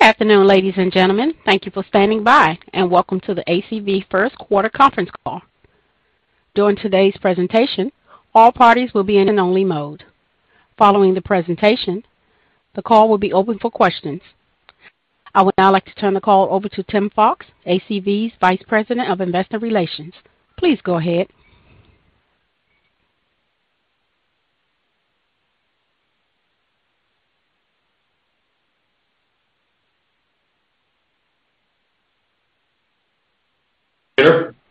Good afternoon, ladies and gentlemen. Thank you for standing by, and welcome to the ACV first quarter conference call. During today's presentation, all parties will be in listen-only mode. Following the presentation, the call will be open for questions. I would now like to turn the call over to Tim Fox, ACV's Vice President of Investor Relations. Please go ahead.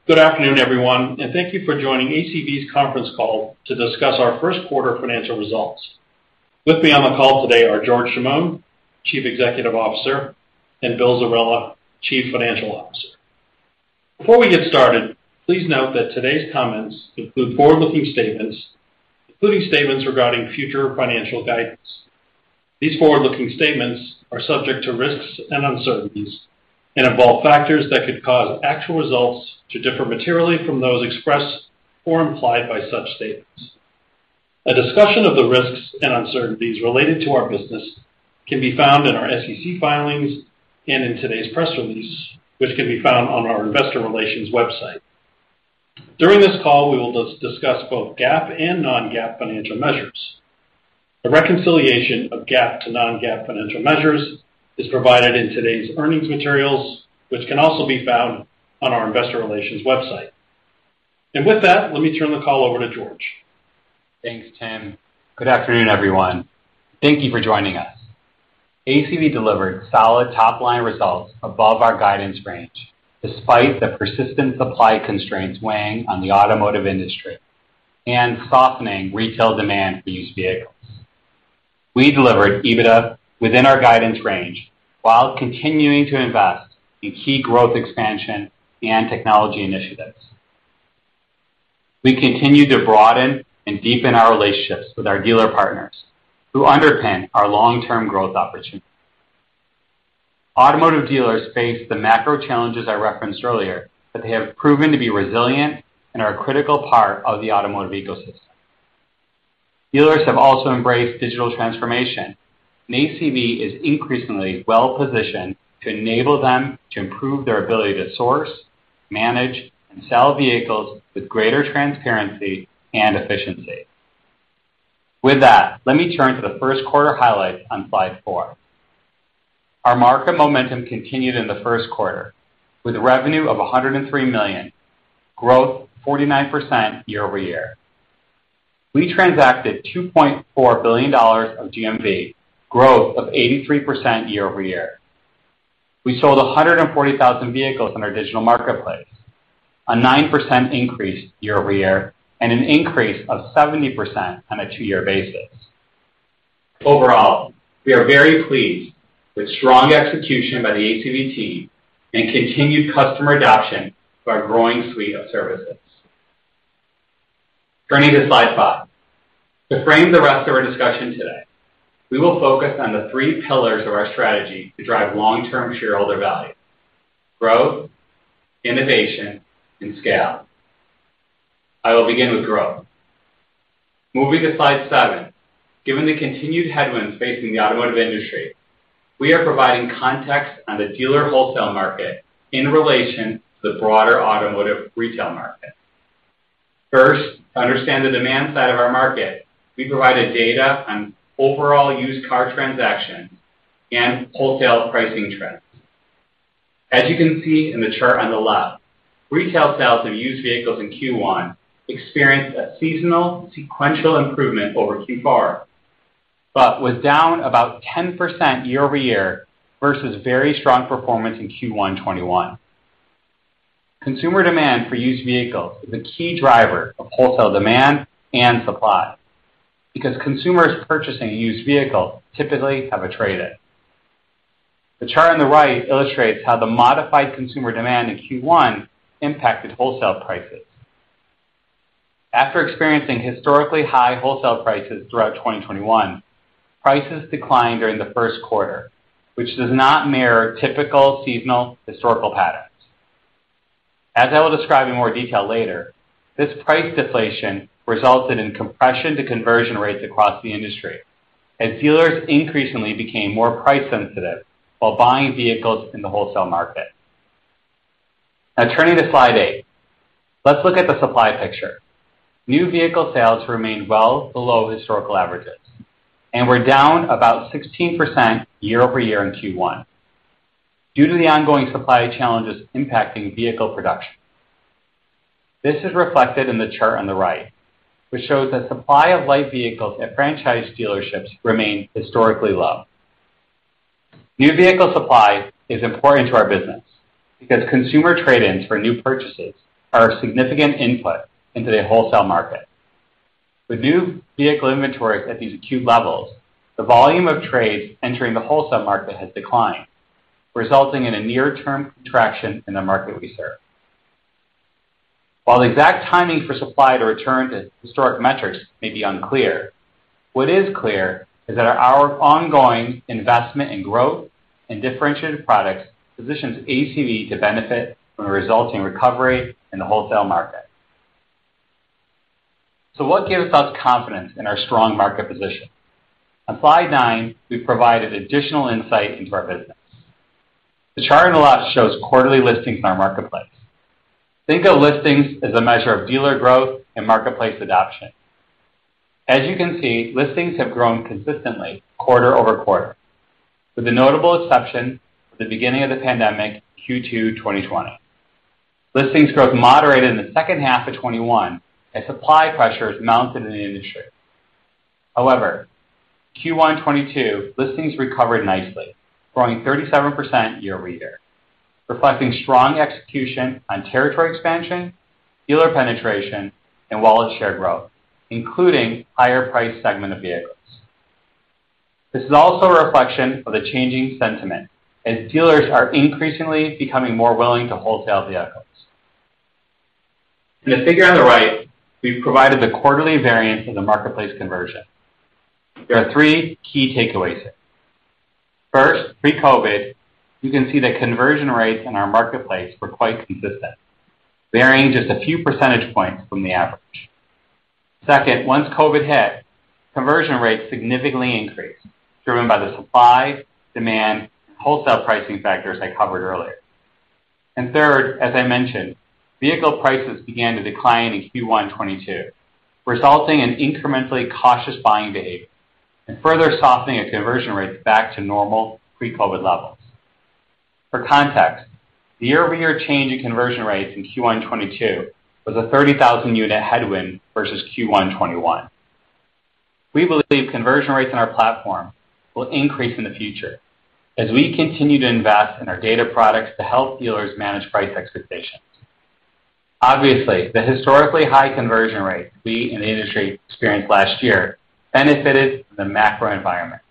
Good afternoon, everyone, and thank you for joining ACV's conference call to discuss our first quarter financial results. With me on the call today are George Chamoun, Chief Executive Officer, and Bill Zerella, Chief Financial Officer. Before we get started, please note that today's comments include forward-looking statements, including statements regarding future financial guidance. These forward-looking statements are subject to risks and uncertainties and involve factors that could cause actual results to differ materially from those expressed or implied by such statements. A discussion of the risks and uncertainties related to our business can be found in our SEC filings and in today's press release, which can be found on our investor relations website. During this call, we will discuss both GAAP and non-GAAP financial measures. A reconciliation of GAAP to non-GAAP financial measures is provided in today's earnings materials, which can also be found on our investor relations website. With that, let me turn the call over to George. Thanks, Tim. Good afternoon, everyone. Thank you for joining us. ACV delivered solid top-line results above our guidance range, despite the persistent supply constraints weighing on the automotive industry and softening retail demand for used vehicles. We delivered EBITDA within our guidance range while continuing to invest in key growth expansion and technology initiatives. We continue to broaden and deepen our relationships with our dealer partners who underpin our long-term growth opportunities. Automotive dealers face the macro challenges I referenced earlier, but they have proven to be resilient and are a critical part of the automotive ecosystem. Dealers have also embraced digital transformation, and ACV is increasingly well-positioned to enable them to improve their ability to source, manage, and sell vehicles with greater transparency and efficiency. With that, let me turn to the first quarter highlights on slide four. Our market momentum continued in the first quarter with revenue of $103 million, growth 49% year-over-year. We transacted $2.4 billion of GMV, growth of 83% year-over-year. We sold 140,000 vehicles in our digital marketplace, a 9% increase year-over-year, and an increase of 70% on a two-year basis. Overall, we are very pleased with strong execution by the ACV team and continued customer adoption to our growing suite of services. Turning to slide five. To frame the rest of our discussion today, we will focus on the three pillars of our strategy to drive long-term shareholder value, growth, innovation, and scale. I will begin with growth. Moving to slide seven. Given the continued headwinds facing the automotive industry, we are providing context on the dealer wholesale market in relation to the broader automotive retail market. First, to understand the demand side of our market, we provided data on overall used car transactions and wholesale pricing trends. As you can see in the chart on the left, retail sales of used vehicles in Q1 experienced a seasonal sequential improvement over Q4, but was down about 10% year-over-year versus very strong performance in Q1 2021. Consumer demand for used vehicles is a key driver of wholesale demand and supply because consumers purchasing a used vehicle typically have a trade-in. The chart on the right illustrates how the modified consumer demand in Q1 impacted wholesale prices. After experiencing historically high wholesale prices throughout 2021, prices declined during the first quarter, which does not mirror typical seasonal historical patterns. As I will describe in more detail later, this price deflation resulted in compression to conversion rates across the industry, and dealers increasingly became more price sensitive while buying vehicles in the wholesale market. Now turning to slide 8. Let's look at the supply picture. New vehicle sales remain well below historical averages and were down about 16% year-over-year in Q1 due to the ongoing supply challenges impacting vehicle production. This is reflected in the chart on the right, which shows that supply of light vehicles at franchise dealerships remain historically low. New vehicle supply is important to our business because consumer trade-ins for new purchases are a significant input into the wholesale market. With new vehicle inventories at these acute levels, the volume of trades entering the wholesale market has declined, resulting in a near-term contraction in the market we serve. While the exact timing for supply to return to historic metrics may be unclear, what is clear is that our ongoing investment in growth and differentiated products positions ACV to benefit from a resulting recovery in the wholesale market. What gives us confidence in our strong market position? On slide nine, we've provided additional insight into our business. The chart on the left shows quarterly listings in our marketplace. Think of listings as a measure of dealer growth and marketplace adoption. As you can see, listings have grown consistently quarter-over-quarter, with the notable exception of the beginning of the pandemic, Q2 2020. Listings growth moderated in the second half of 2021 as supply pressures mounted in the industry. However, Q1 2022 listings recovered nicely, growing 37% year-over-year, reflecting strong execution on territory expansion, dealer penetration, and wallet share growth, including higher price segment of vehicles. This is also a reflection of the changing sentiment as dealers are increasingly becoming more willing to wholesale vehicles. In the figure on the right, we've provided the quarterly variance of the marketplace conversion. There are three key takeaways here. First, pre-COVID, you can see the conversion rates in our marketplace were quite consistent, varying just a few percentage points from the average. Second, once COVID hit, conversion rates significantly increased, driven by the supply, demand, and wholesale pricing factors I covered earlier. Third, as I mentioned, vehicle prices began to decline in Q1 2022, resulting in incrementally cautious buying behavior and further softening of conversion rates back to normal pre-COVID levels. For context, the year-over-year change in conversion rates in Q1 2022 was a 30,000 unit headwind versus Q1 2021. We believe conversion rates in our platform will increase in the future as we continue to invest in our data products to help dealers manage price expectations. Obviously, the historically high conversion rates we and the industry experienced last year benefited from the macro environment,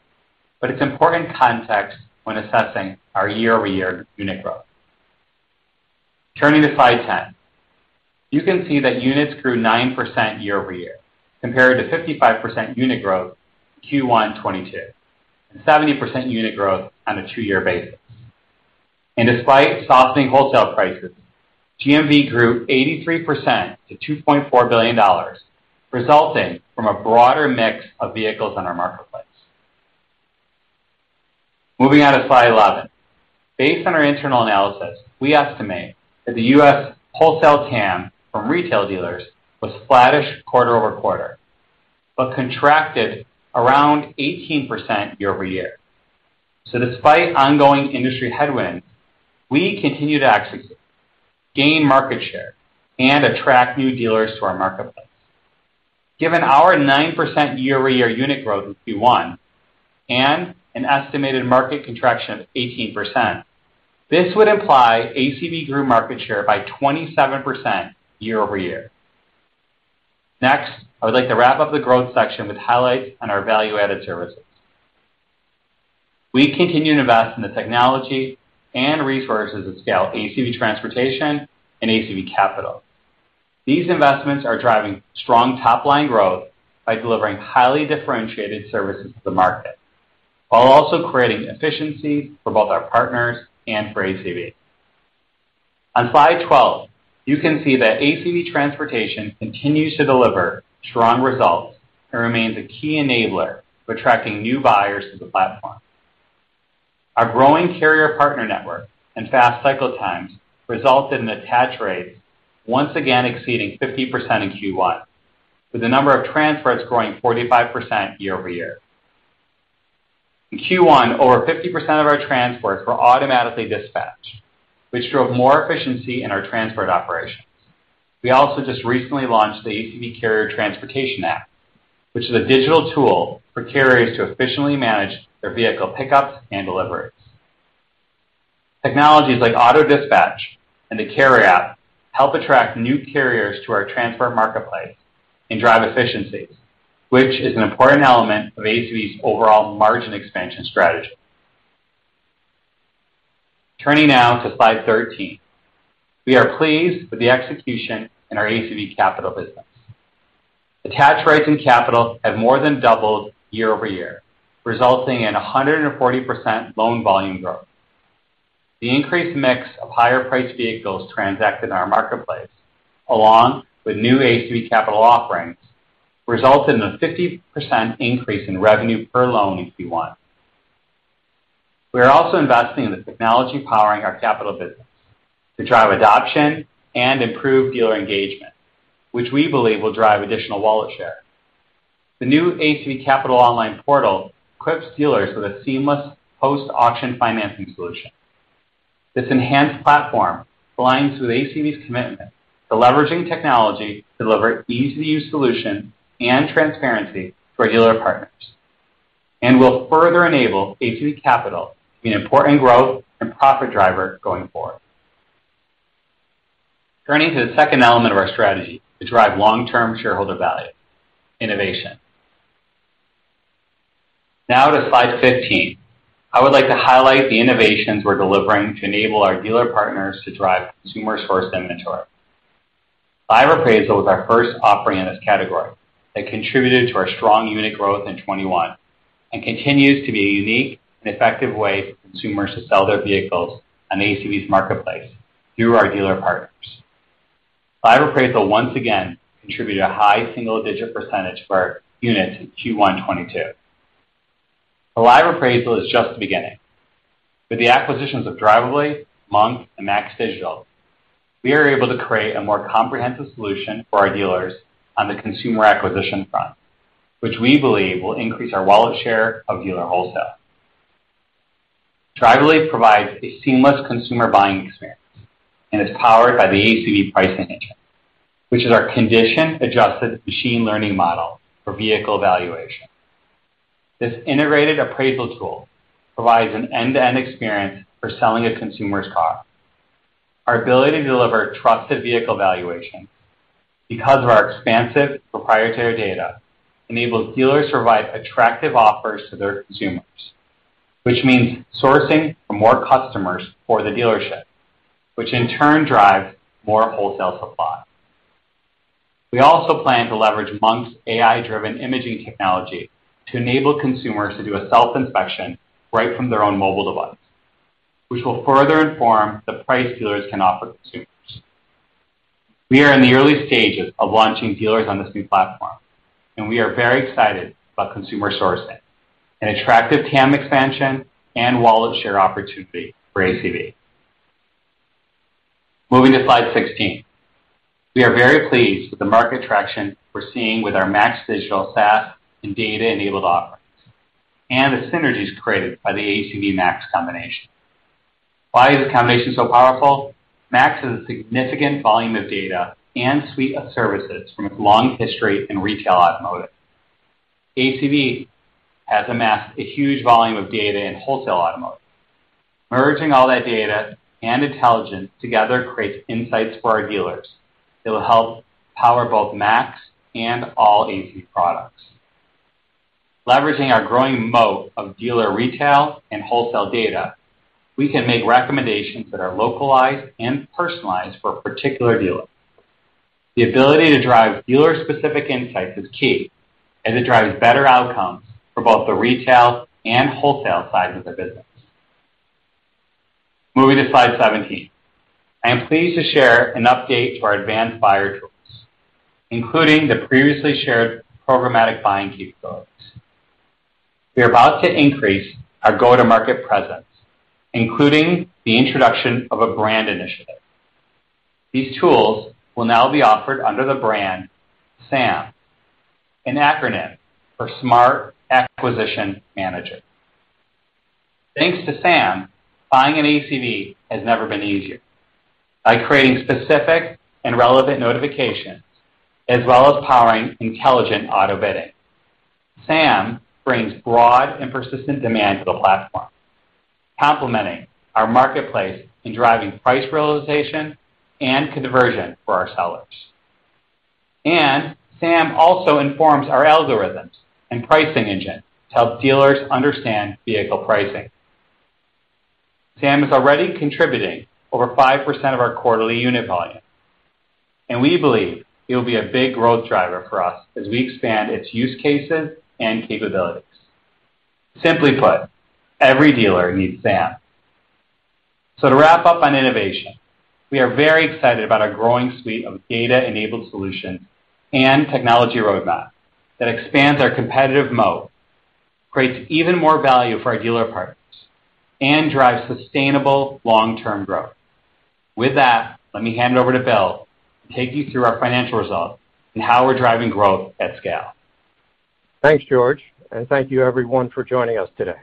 but it's important context when assessing our year-over-year unit growth. Turning to slide 10. You can see that units grew 9% year-over-year compared to 55% unit growth in Q1 2022, and 70% unit growth on a two-year basis. Despite softening wholesale prices, GMV grew 83% to $2.4 billion, resulting from a broader mix of vehicles on our marketplace. Moving on to slide 11. Based on our internal analysis, we estimate that the U.S. wholesale TAM from retail dealers was flattish quarter-over-quarter, but contracted around 18% year-over-year. Despite ongoing industry headwinds, we continue to execute, gain market share, and attract new dealers to our marketplace. Given our 9% year-over-year unit growth in Q1 and an estimated market contraction of 18%, this would imply ACV grew market share by 27% year-over-year. Next, I would like to wrap up the growth section with highlights on our value-added services. We continue to invest in the technology and resources to scale ACV Transportation and ACV Capital. These investments are driving strong top-line growth by delivering highly differentiated services to the market while also creating efficiencies for both our partners and for ACV. On slide 12, you can see that ACV Transportation continues to deliver strong results and remains a key enabler for attracting new buyers to the platform. Our growing carrier partner network and fast cycle times resulted in attach rates once again exceeding 50% in Q1, with the number of transports growing 45% year-over-year. In Q1, over 50% of our transports were automatically dispatched, which drove more efficiency in our transport operations. We also just recently launched the Carrier by ACV Transportation app, which is a digital tool for carriers to efficiently manage their vehicle pickups and deliveries. Technologies like auto dispatch and the carrier app help attract new carriers to our transport marketplace and drive efficiencies, which is an important element of ACV's overall margin expansion strategy. Turning now to slide 13. We are pleased with the execution in our ACV Capital business. Attach rates in capital have more than doubled year-over-year, resulting in 140% loan volume growth. The increased mix of higher priced vehicles transacted in our marketplace, along with new ACV Capital offerings, resulted in a 50% increase in revenue per loan in Q1. We are also investing in the technology powering our capital business to drive adoption and improve dealer engagement, which we believe will drive additional wallet share. The new ACV Capital online portal equips dealers with a seamless post-auction financing solution. This enhanced platform aligns with ACV's commitment to leveraging technology to deliver easy-to-use solution and transparency for dealer partners and will further enable ACV Capital to be an important growth and profit driver going forward. Turning to the second element of our strategy to drive long-term shareholder value, innovation. Now to slide 15. I would like to highlight the innovations we're delivering to enable our dealer partners to drive consumer-sourced inventory. Live Appraisal was our first offering in this category that contributed to our strong unit growth in 2021 and continues to be a unique and effective way for consumers to sell their vehicles on the ACV's marketplace through our dealer partners. Live Appraisal once again contributed a high single-digit percentage for our units in Q1 2022. A Live Appraisal is just the beginning. With the acquisitions of Drivably, Monk, and MAX Digital, we are able to create a more comprehensive solution for our dealers on the consumer acquisition front, which we believe will increase our wallet share of dealer wholesale. Drivably provides a seamless consumer buying experience and is powered by the ACV pricing engine, which is our condition-adjusted machine learning model for vehicle valuation. This integrated appraisal tool provides an end-to-end experience for selling a consumer's car. Our ability to deliver trusted vehicle valuation because of our expansive proprietary data, enables dealers to provide attractive offers to their consumers, which means sourcing for more customers for the dealership, which in turn drives more wholesale supply. We also plan to leverage Monk SaaS's AI-driven imaging technology to enable consumers to do a self-inspection right from their own mobile device, which will further inform the price dealers can offer consumers. We are in the early stages of launching dealers on this new platform, and we are very excited about consumer sourcing, an attractive TAM expansion and wallet share opportunity for ACV. Moving to slide 16. We are very pleased with the market traction we're seeing with our MAX Digital SaaS and data-enabled offerings and the synergies created by the ACV MAX combination. Why is this combination so powerful? MAX has a significant volume of data and suite of services from its long history in retail automotive. ACV has amassed a huge volume of data in wholesale automotive. Merging all that data and intelligence together creates insights for our dealers that will help power both MAX and all ACV products. Leveraging our growing model of dealer retail and wholesale data, we can make recommendations that are localized and personalized for a particular dealer. The ability to drive dealer-specific insights is key, and it drives better outcomes for both the retail and wholesale side of the business. Moving to slide 17. I am pleased to share an update to our advanced buyer tools, including the previously shared programmatic buying capabilities. We are about to increase our go-to-market presence, including the introduction of a brand initiative. These tools will now be offered under the brand SAM, an acronym for Smart Acquisition Manager. Thanks to SAM, buying on ACV has never been easier. By creating specific and relevant notifications, as well as powering intelligent auto bidding, SAM brings broad and persistent demand to the platform, complementing our marketplace in driving price realization and conversion for our sellers. SAM also informs our algorithms and pricing engine to help dealers understand vehicle pricing. SAM is already contributing over 5% of our quarterly unit volume, and we believe it will be a big growth driver for us as we expand its use cases and capabilities. Simply put, every dealer needs SAM. To wrap up on innovation, we are very excited about our growing suite of data-enabled solutions and technology roadmap that expands our competitive moat, creates even more value for our dealer partners, and drives sustainable long-term growth. With that, let me hand over to Bill to take you through our financial results and how we're driving growth at scale. Thanks, George, and thank you everyone for joining us today.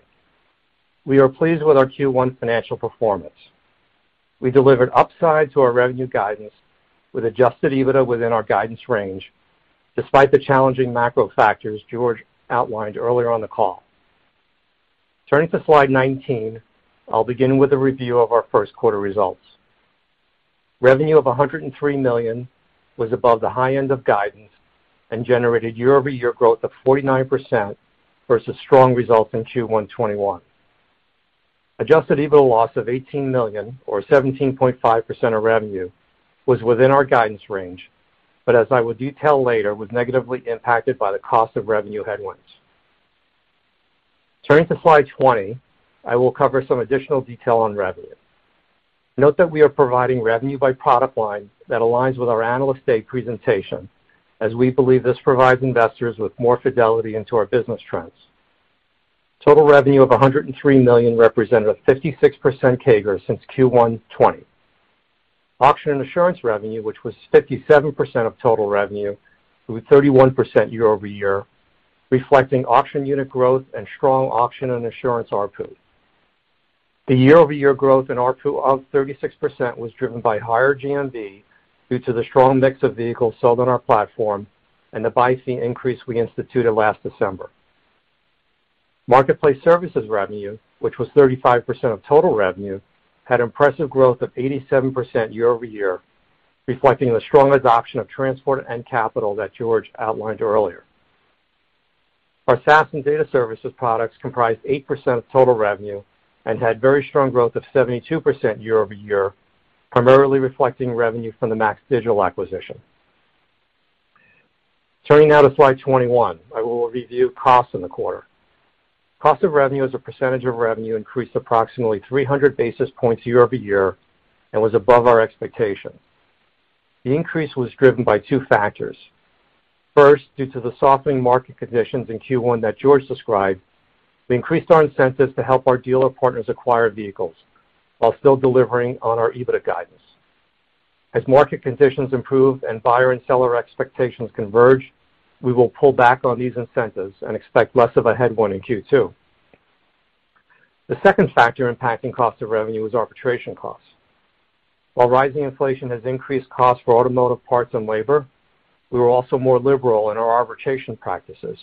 We are pleased with our Q1 financial performance. We delivered upside to our revenue guidance with adjusted EBITDA within our guidance range, despite the challenging macro factors George outlined earlier on the call. Turning to slide 19, I'll begin with a review of our first quarter results. Revenue of $103 million was above the high end of guidance and generated year-over-year growth of 49% versus strong results in Q1 2021. Adjusted EBITDA loss of $18 million or 17.5% of revenue was within our guidance range, but as I will detail later, was negatively impacted by the cost of revenue headwinds. Turning to slide 20, I will cover some additional detail on revenue. Note that we are providing revenue by product line that aligns with our Analyst Day presentation, as we believe this provides investors with more fidelity into our business trends. Total revenue of $103 million represented a 56% CAGR since Q1 2020. Auction and assurance revenue, which was 57% of total revenue, grew 31% year-over-year, reflecting auction unit growth and strong auction and assurance ARPU. The year-over-year growth in ARPU of 36% was driven by higher GMV due to the strong mix of vehicles sold on our platform and the buy fee increase we instituted last December. Marketplace services revenue, which was 35% of total revenue, had impressive growth of 87% year-over-year, reflecting the strong adoption of transport and capital that George outlined earlier. Our SaaS and data services products comprised 8% of total revenue and had very strong growth of 72% year-over-year, primarily reflecting revenue from the MAX Digital acquisition. Turning now to slide 21, I will review costs in the quarter. Cost of revenue as a percentage of revenue increased approximately 300 basis points year-over-year and was above our expectation. The increase was driven by two factors. First, due to the softening market conditions in Q1 that George described, we increased our incentives to help our dealer partners acquire vehicles while still delivering on our EBITDA guidance. As market conditions improve and buyer and seller expectations converge, we will pull back on these incentives and expect less of a headwind in Q2. The second factor impacting cost of revenue is arbitration costs. While rising inflation has increased costs for automotive parts and labor, we were also more liberal in our arbitration practices.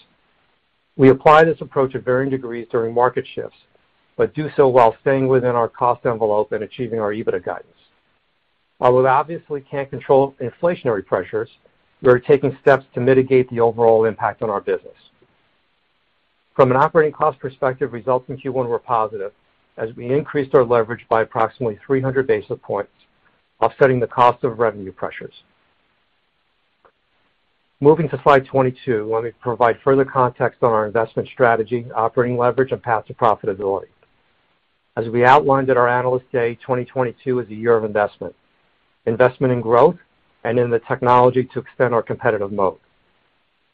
We apply this approach at varying degrees during market shifts, but do so while staying within our cost envelope and achieving our EBITDA guidance. While we obviously can't control inflationary pressures, we are taking steps to mitigate the overall impact on our business. From an operating cost perspective, results in Q1 were positive as we increased our leverage by approximately 300 basis points, offsetting the cost of revenue pressures. Moving to slide 22, let me provide further context on our investment strategy, operating leverage, and path to profitability. As we outlined at our Analyst Day, 2022 is a year of investment in growth and in the technology to extend our competitive moat.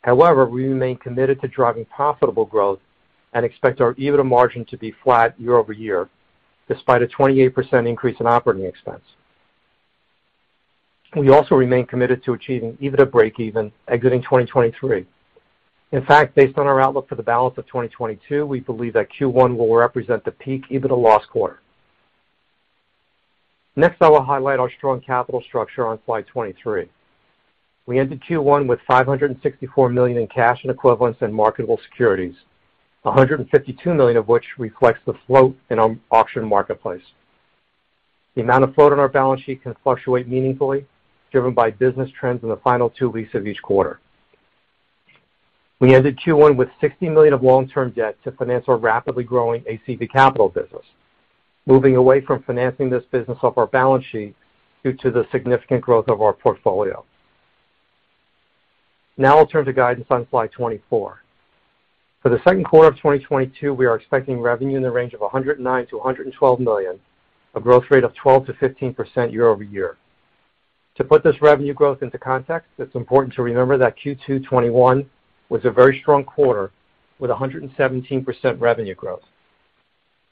However, we remain committed to driving profitable growth and expect our EBITDA margin to be flat year-over-year despite a 28% increase in operating expense. We also remain committed to achieving EBITDA breakeven exiting 2023. In fact, based on our outlook for the balance of 2022, we believe that Q1 will represent the peak EBITDA loss quarter. Next, I will highlight our strong capital structure on slide 23. We ended Q1 with $564 million in cash and equivalents in marketable securities, $152 million of which reflects the float in our auction marketplace. The amount of float on our balance sheet can fluctuate meaningfully, driven by business trends in the final two weeks of each quarter. We ended Q1 with $60 million of long-term debt to finance our rapidly growing ACV Capital business, moving away from financing this business off our balance sheet due to the significant growth of our portfolio. Now I'll turn to guidance on slide 24. For the second quarter of 2022, we are expecting revenue in the range of $109 million-$112 million, a growth rate of 12%-15% year-over-year. To put this revenue growth into context, it's important to remember that Q2 2021 was a very strong quarter with 117% revenue growth.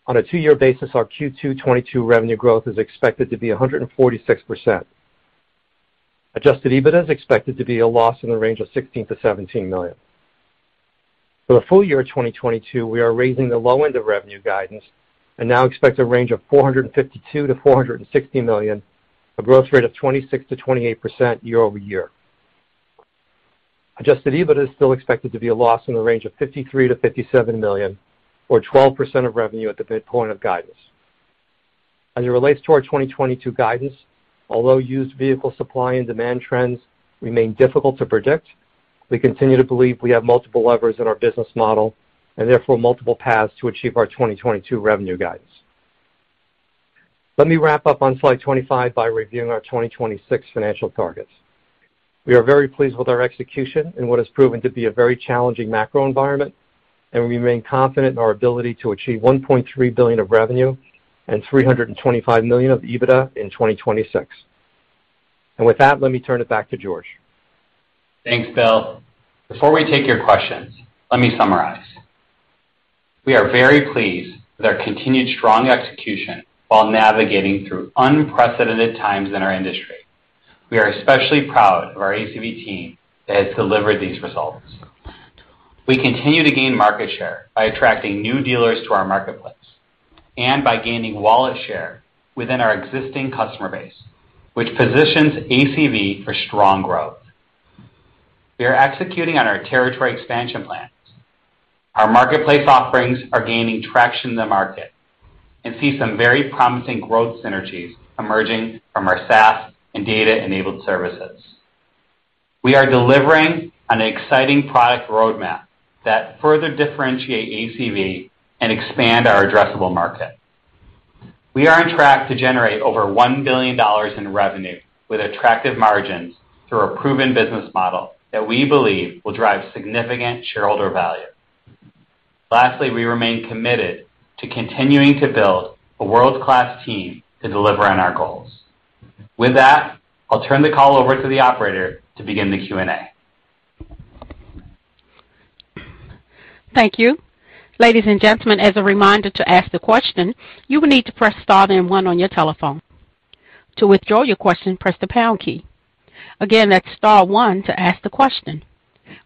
On a two-year basis, our Q2 2022 revenue growth is expected to be 146%. Adjusted EBITDA is expected to be a loss in the range of $16 million-$17 million. For the full year 2022, we are raising the low end of revenue guidance and now expect a range of $452 million-$460 million, a growth rate of 26%-28% year-over-year. Adjusted EBITDA is still expected to be a loss in the range of $53 million-$57 million or 12% of revenue at the midpoint of guidance. As it relates to our 2022 guidance, although used vehicle supply and demand trends remain difficult to predict, we continue to believe we have multiple levers in our business model and therefore multiple paths to achieve our 2022 revenue guidance. Let me wrap up on slide 25 by reviewing our 2026 financial targets. We are very pleased with our execution in what has proven to be a very challenging macro environment, and we remain confident in our ability to achieve $1.3 billion of revenue and $325 million of EBITDA in 2026. With that, let me turn it back to George. Thanks, Bill. Before we take your questions, let me summarize. We are very pleased with our continued strong execution while navigating through unprecedented times in our industry. We are especially proud of our ACV team that has delivered these results. We continue to gain market share by attracting new dealers to our marketplace and by gaining wallet share within our existing customer base, which positions ACV for strong growth. We are executing on our territory expansion plans. Our marketplace offerings are gaining traction in the market and see some very promising growth synergies emerging from our SaaS and data-enabled services. We are delivering on an exciting product roadmap that further differentiate ACV and expand our addressable market. We are on track to generate over $1 billion in revenue with attractive margins through a proven business model that we believe will drive significant shareholder value. Lastly, we remain committed to continuing to build a world-class team to deliver on our goals. With that, I'll turn the call over to the operator to begin the Q&A. Thank you. Ladies and gentlemen, as a reminder to ask the question, you will need to press star then one on your telephone. To withdraw your question, press the pound key. Again, that's star one to ask the question.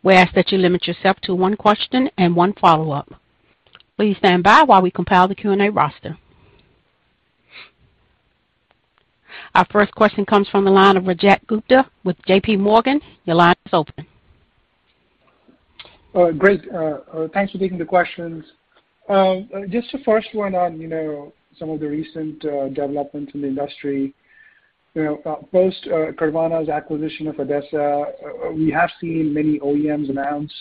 We ask that you limit yourself to one question and one follow-up. Please stand by while we compile the Q&A roster. Our first question comes from the line of Rajiv Gupta with JPMorgan. Your line is open. Great. Thanks for taking the questions. Just the first one on, you know, some of the recent developments in the industry. You know, post Carvana's acquisition of ADESA, we have seen many OEMs announced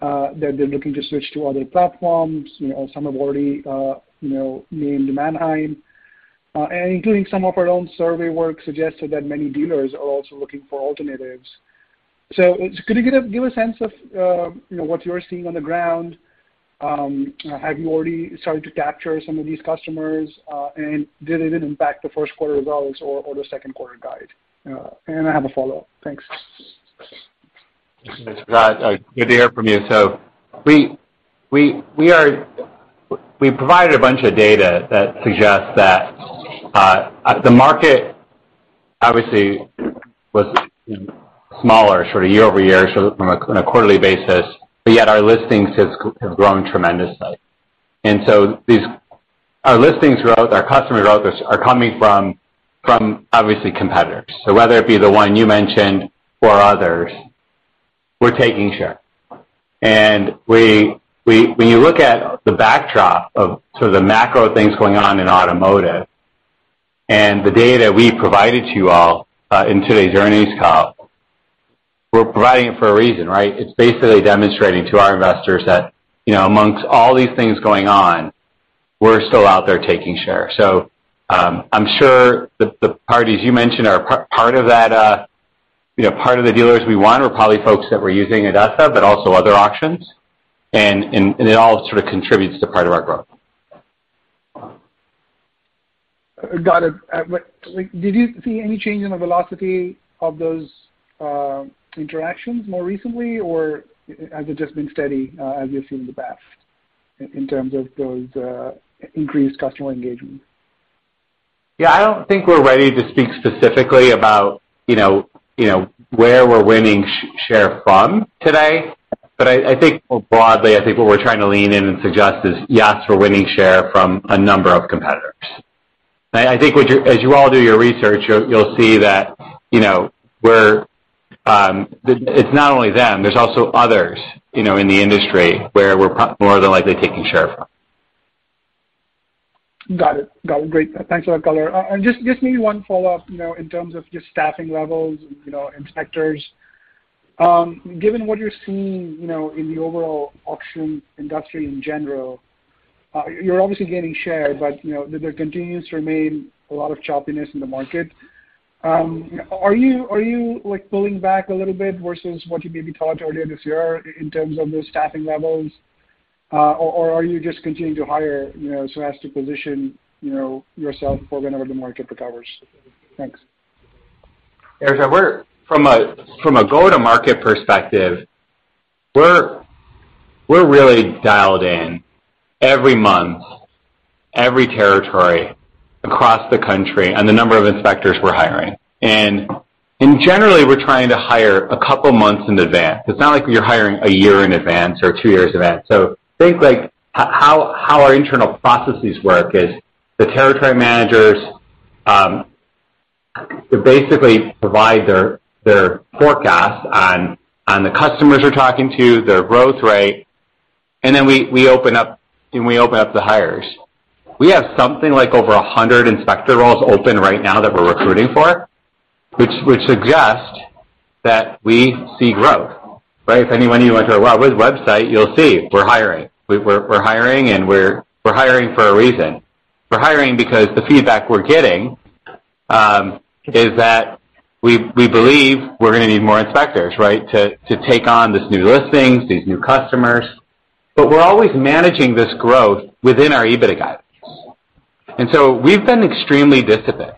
that they're looking to switch to other platforms. You know, some have already named Manheim. Including some of our own survey work suggested that many dealers are also looking for alternatives. Could you give a sense of, you know, what you're seeing on the ground? Have you already started to capture some of these customers? Did it impact the first quarter results or the second quarter guide? I have a follow-up. Thanks. Thanks, Raj. Good to hear from you. We provided a bunch of data that suggests that the market obviously was smaller sort of year-over-year, so on a quarterly basis, but yet our listings have grown tremendously. Our listings growth, our customer growth are coming from obviously competitors. Whether it be the one you mentioned or others, we're taking share. When you look at the backdrop of sort of the macro things going on in automotive and the data we provided to you all in today's earnings call, we're providing it for a reason, right? It's basically demonstrating to our investors that, you know, amongst all these things going on, we're still out there taking share. I'm sure the parties you mentioned are part of that, you know, part of the dealers we want are probably folks that were using ADESA, but also other auctions. It all sort of contributes to part of our growth. Got it. Like, did you see any change in the velocity of those interactions more recently, or has it just been steady as you've seen in the past in terms of those increased customer engagement? Yeah, I don't think we're ready to speak specifically about, you know, you know, where we're winning share from today. I think more broadly, I think what we're trying to lean in and suggest is, yes, we're winning share from a number of competitors. I think as you all do your research, you'll see that, you know, we're, it's not only them, there's also others, you know, in the industry where we're more than likely taking share from. Got it. Great. Thanks for that color. And just maybe one follow-up, you know, in terms of just staffing levels, you know, inspectors. Given what you're seeing, you know, in the overall auction industry in general, you're obviously gaining share, but, you know, there continues to remain a lot of choppiness in the market. Are you, like, pulling back a little bit versus what you maybe thought earlier this year in terms of those staffing levels, or are you just continuing to hire, you know, so as to position, you know, yourself for whenever the market recovers? Thanks. Eric, we're from a go-to-market perspective, we're really dialed in every month, every territory across the country on the number of inspectors we're hiring. Generally we're trying to hire a couple months in advance. It's not like we're hiring a year in advance or 2 years in advance. Think like how our internal processes work is the territory managers, they basically provide their forecast on the customers we're talking to, their growth rate, and then we open up the hires. We have something like over 100 inspector roles open right now that we're recruiting for, which would suggest that we see growth, right? If any of you went to our ACV website you'll see we're hiring. We're hiring and we're hiring for a reason. We're hiring because the feedback we're getting is that we believe we're gonna need more inspectors, right? To take on these new listings, these new customers. We're always managing this growth within our EBITDA guidance. We've been extremely disciplined.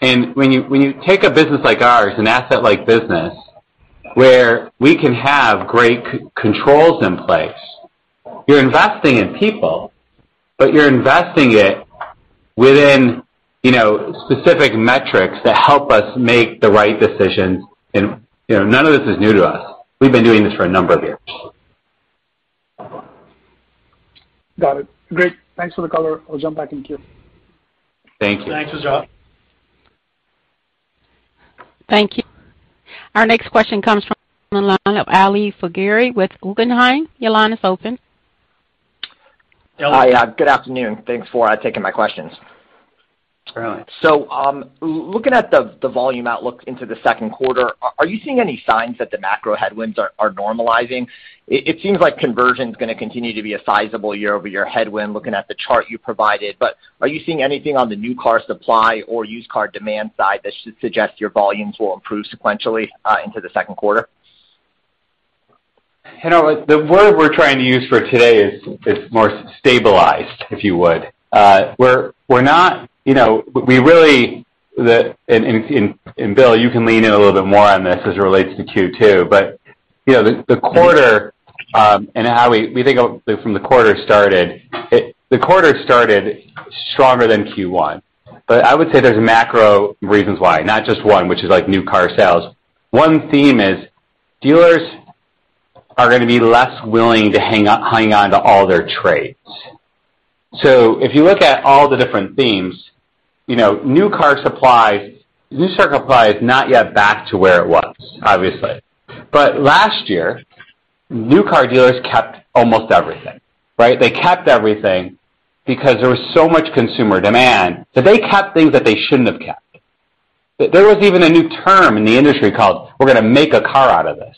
When you take a business like ours, an asset-like business where we can have great controls in place, you're investing in people, but you're investing it within, you know, specific metrics that help us make the right decisions. You know, none of this is new to us. We've been doing this for a number of years. Got it. Great. Thanks for the color. I'll jump back in queue. Thank you. Thanks, Raj. Thank you. Our next question comes from the line of Ali Faghri with Guggenheim. Your line is open. Hi. Yeah, good afternoon. Thanks for taking my questions. All right. Looking at the volume outlook into the second quarter, are you seeing any signs that the macro headwinds are normalizing? It seems like conversion's gonna continue to be a sizable year-over-year headwind looking at the chart you provided. Are you seeing anything on the new car supply or used car demand side that suggests your volumes will improve sequentially into the second quarter? You know, the word we're trying to use for today is more stabilized, if you would. We're not, you know. Bill, you can lean in a little bit more on this as it relates to Q2. You know, the quarter and how we think of it. The quarter started stronger than Q1. I would say there's macro reasons why, not just one, which is like new car sales. One theme is dealers are gonna be less willing to hang on to all their trades. If you look at all the different themes, you know, new car supply is not yet back to where it was, obviously. Last year, new car dealers kept almost everything, right? They kept everything because there was so much consumer demand that they kept things that they shouldn't have kept. There was even a new term in the industry called we're gonna make a car out of this,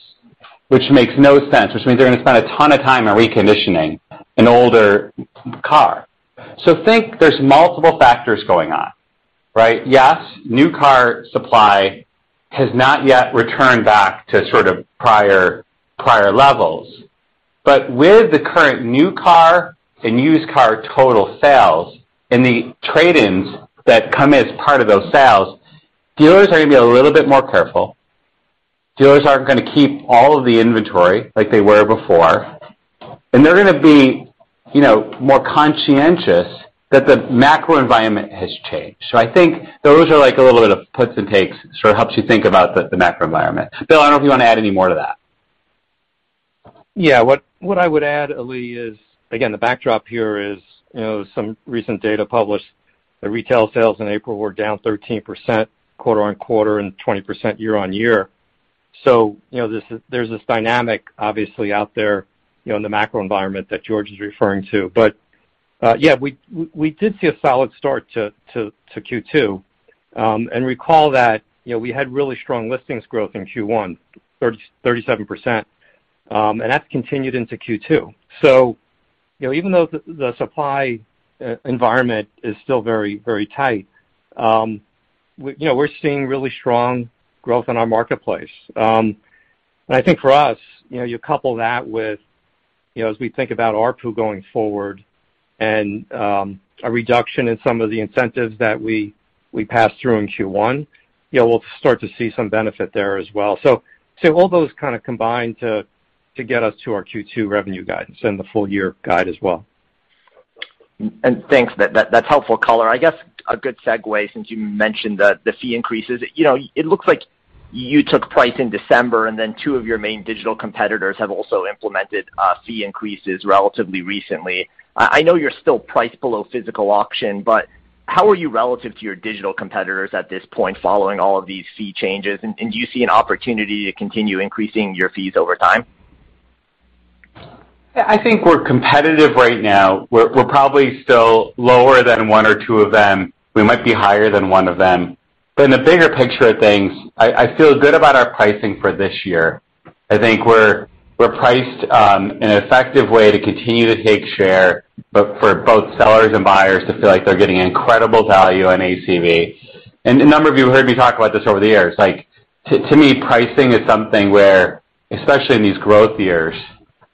which makes no sense, which means they're gonna spend a ton of time on reconditioning an older car. Think there's multiple factors going on, right? Yes, new car supply has not yet returned back to sort of prior levels. With the current new car and used car total sales and the trade-ins that come as part of those sales, dealers are gonna be a little bit more careful. Dealers aren't gonna keep all of the inventory like they were before, and they're gonna be, you know, more conscientious that the macro environment has changed. I think those are like a little bit of puts and takes, sort of helps you think about the macro environment. Bill, I don't know if you wanna add any more to that. Yeah. What I would add, Ali, is, again, the backdrop here is, you know, some recent data published. The retail sales in April were down 13% quarter-over-quarter and 20% year-over-year. You know, there's this dynamic obviously out there, you know, in the macro environment that George is referring to. But, yeah, we did see a solid start to Q2. Recall that, you know, we had really strong listings growth in Q1, 37%, and that's continued into Q2. You know, even though the supply environment is still very, very tight, we, you know, we're seeing really strong growth in our marketplace. I think for us, you know, you couple that with, you know, as we think about ARPU going forward and, a reduction in some of the incentives that we passed through in Q1, you know, we'll start to see some benefit there as well. All those kinda combine to get us to our Q2 revenue guidance and the full year guide as well. Thanks. That's helpful color. I guess a good segue, since you mentioned the fee increases. You know, it looks like you took price in December, and then two of your main digital competitors have also implemented fee increases relatively recently. I know you're still priced below physical auction, but how are you relative to your digital competitors at this point following all of these fee changes? Do you see an opportunity to continue increasing your fees over time? I think we're competitive right now. We're probably still lower than one or two of them. We might be higher than one of them. In the bigger picture of things, I feel good about our pricing for this year. I think we're priced in an effective way to continue to take share, but for both sellers and buyers to feel like they're getting incredible value on ACV. A number of you have heard me talk about this over the years. Like, to me, pricing is something where, especially in these growth years,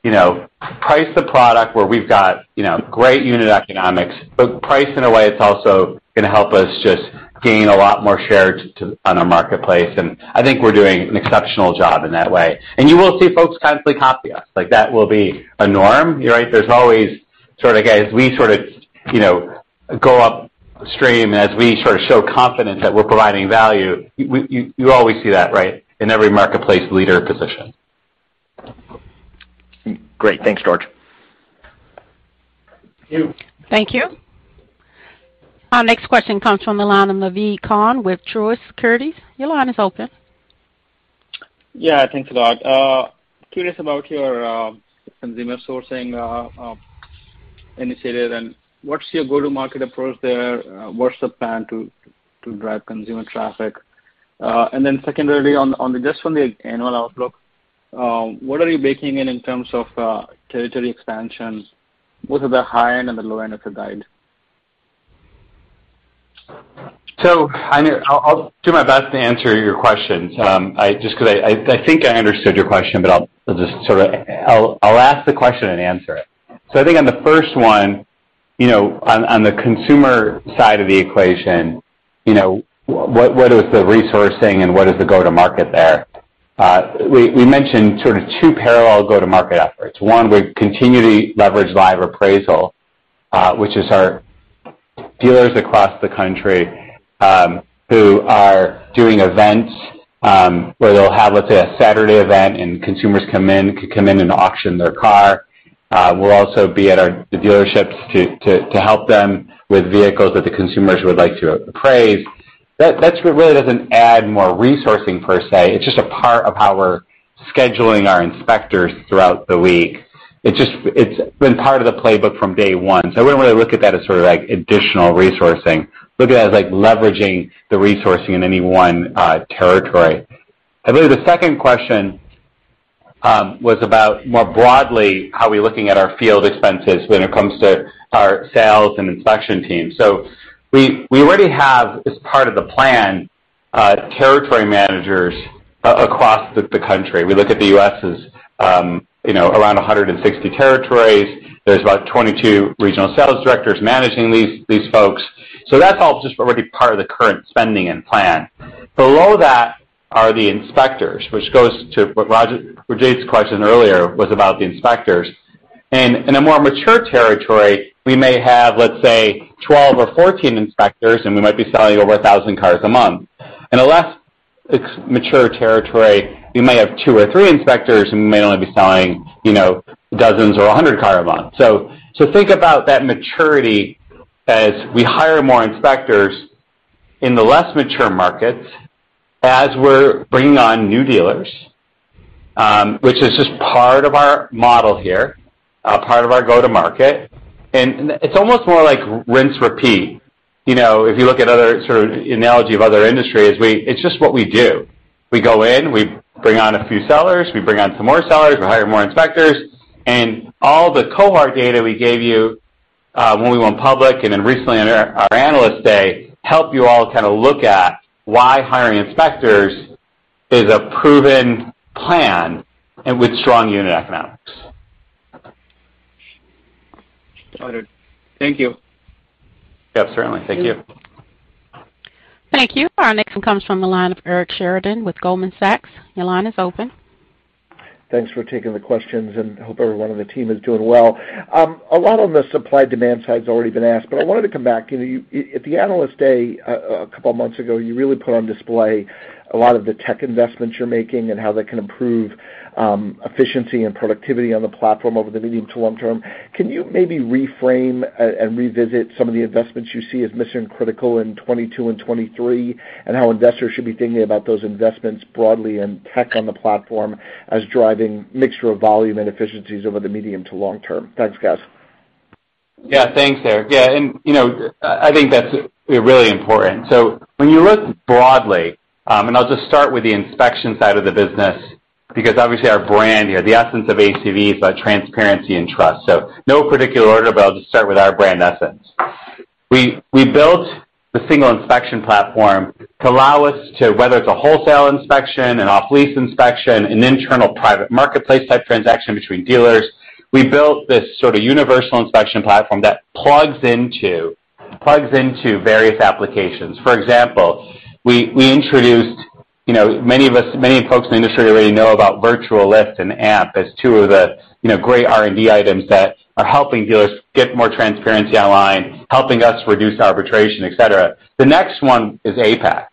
you know, price the product where we've got, you know, great unit economics, but price in a way that's also gonna help us just gain a lot more share on our marketplace. I think we're doing an exceptional job in that way. You will see folks constantly copy us. Like, that will be a norm, right? There's always sorta guys, we sort of, you know, go upstream as we sort of show confidence that we're providing value. You always see that, right, in every marketplace leader position. Great. Thanks, George. Thank you. Thank you. Our next question comes from Naved Khan with Truist Securities. Your line is open. Yeah, thanks a lot. Curious about your consumer sourcing initiative and what's your go-to-market approach there? What's the plan to drive consumer traffic? Secondarily, just on the annual outlook, what are you baking in terms of territory expansion? What are the high end and the low end of the guide? I'll do my best to answer your questions. I just because I think I understood your question, but I'll just sort of ask the question and answer it. I think on the first one, you know, on the consumer side of the equation, you know, what is the sourcing and what is the go-to-market there? We mentioned sort of two parallel go-to-market efforts. One, we continue to leverage Live Appraisal, which is our dealers across the country, who are doing events, where they'll have, let's say, a Saturday event and consumers come in and auction their car. We'll also be at the dealerships to help them with vehicles that the consumers would like to appraise. That's what really doesn't add more resourcing per se. It's just a part of our scheduling our inspectors throughout the week. It's just it's been part of the playbook from day one. We wouldn't really look at that as sort of like additional resourcing. Look at it as like leveraging the resourcing in any one territory. I believe the second question was about more broadly, how we're looking at our field expenses when it comes to our sales and inspection team. We already have, as part of the plan, territory managers across the country. We look at the US as, you know, around 160 territories. There's about 22 regional sales directors managing these folks. That's all just already part of the current spending and plan. Below that are the inspectors, which goes to what Rajiv"s question earlier was about the inspectors. In a more mature territory, we may have, let's say, 12 or 14 inspectors, and we might be selling over 1,000 cars a month. In a less mature territory, we may have two or three inspectors, and we may only be selling, you know, dozens or 100 cars a month. Think about that maturity as we hire more inspectors in the less mature markets, as we're bringing on new dealers, which is just part of our model here, part of our go-to-market. It's almost more like rinse, repeat. You know, if you look at other sort of analogy of other industries, it's just what we do. We go in, we bring on a few sellers, we bring on some more sellers, we hire more inspectors. All the cohort data we gave you, when we went public and then recently on our Analyst Day, help you all kinda look at why hiring inspectors is a proven plan and with strong unit economics. Noted. Thank you. Yeah, certainly. Thank you. Thank you. Our next one comes from the line of Eric Sheridan with Goldman Sachs. Your line is open. Thanks for taking the questions, and hope everyone on the team is doing well. A lot on the supply-demand side has already been asked, but I wanted to come back. You know, at the Analyst Day, a couple of months ago, you really put on display a lot of the tech investments you're making and how they can improve efficiency and productivity on the platform over the medium to long term? Can you maybe reframe and revisit some of the investments you see as mission critical in 2022 and 2023, and how investors should be thinking about those investments broadly in tech on the platform as driving mixture of volume and efficiencies over the medium to long term? Thanks, guys. Yeah. Thanks, Eric. Yeah, and, you know, I think that's really important. When you look broadly, and I'll just start with the inspection side of the business, because obviously our brand here, the essence of ACV is about transparency and trust. No particular order, but I'll just start with our brand essence. We built the single inspection platform to allow us to, whether it's a wholesale inspection, an off-lease inspection, an internal private marketplace type transaction between dealers, we built this sort of universal inspection platform that plugs into various applications. For example, we introduced, you know, many folks in the industry already know about Virtual Lift and AMP as two of the, you know, great R&D items that are helping dealers get more transparency online, helping us reduce arbitration, et cetera. The next one is APEX.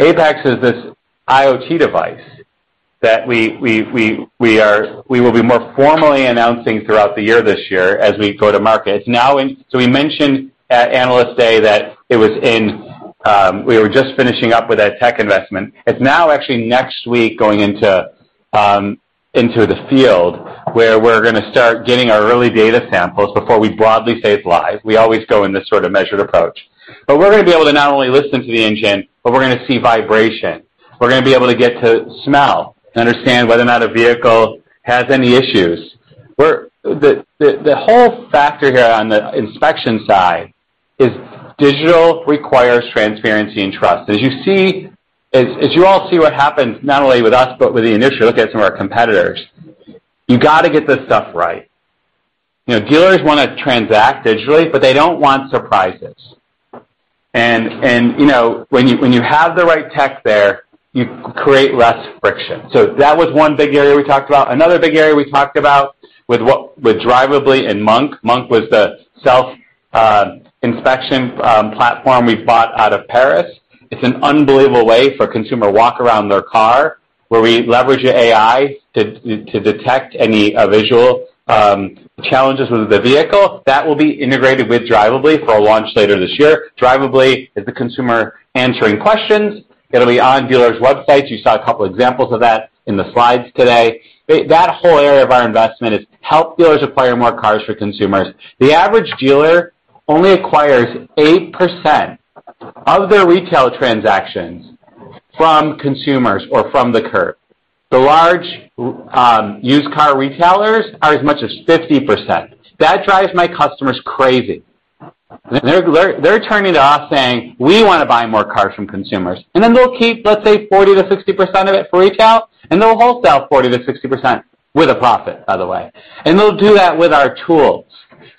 APEX is this IoT device that we will be more formally announcing throughout the year this year as we go to market. It's now in. So we mentioned at Analyst Day that it was in, we were just finishing up with that tech investment. It's now actually next week going into the field where we're gonna start getting our early data samples before we broadly say it's live. We always go in this sort of measured approach. We're gonna be able to not only listen to the engine, but we're gonna see vibration. We're gonna be able to get to smell and understand whether or not a vehicle has any issues. The whole factor here on the inspection side is digital requires transparency and trust. As you all see what happens not only with us but with the industry, look at some of our competitors, you got to get this stuff right. You know, dealers wanna transact digitally, but they don't want surprises. You know, when you have the right tech there, you create less friction. That was one big area we talked about. Another big area we talked about with Drivably and Monk. Monk was the self inspection platform we bought out of Paris. It's an unbelievable way for a consumer walk around their car, where we leverage AI to detect any visual challenges with the vehicle. That will be integrated with Drivably for a launch later this year. Drivably is the consumer answering questions. It'll be on dealers' websites. You saw a couple examples of that in the slides today. That whole area of our investment is help dealers acquire more cars for consumers. The average dealer only acquires 8% of their retail transactions from consumers or from the curb. The large, used car retailers are as much as 50%. That drives my customers crazy. They're turning to us saying, "We wanna buy more cars from consumers." Then they'll keep, let's say, 40%-60% of it for retail, and they'll wholesale 40%-60% with a profit, by the way. They'll do that with our tools.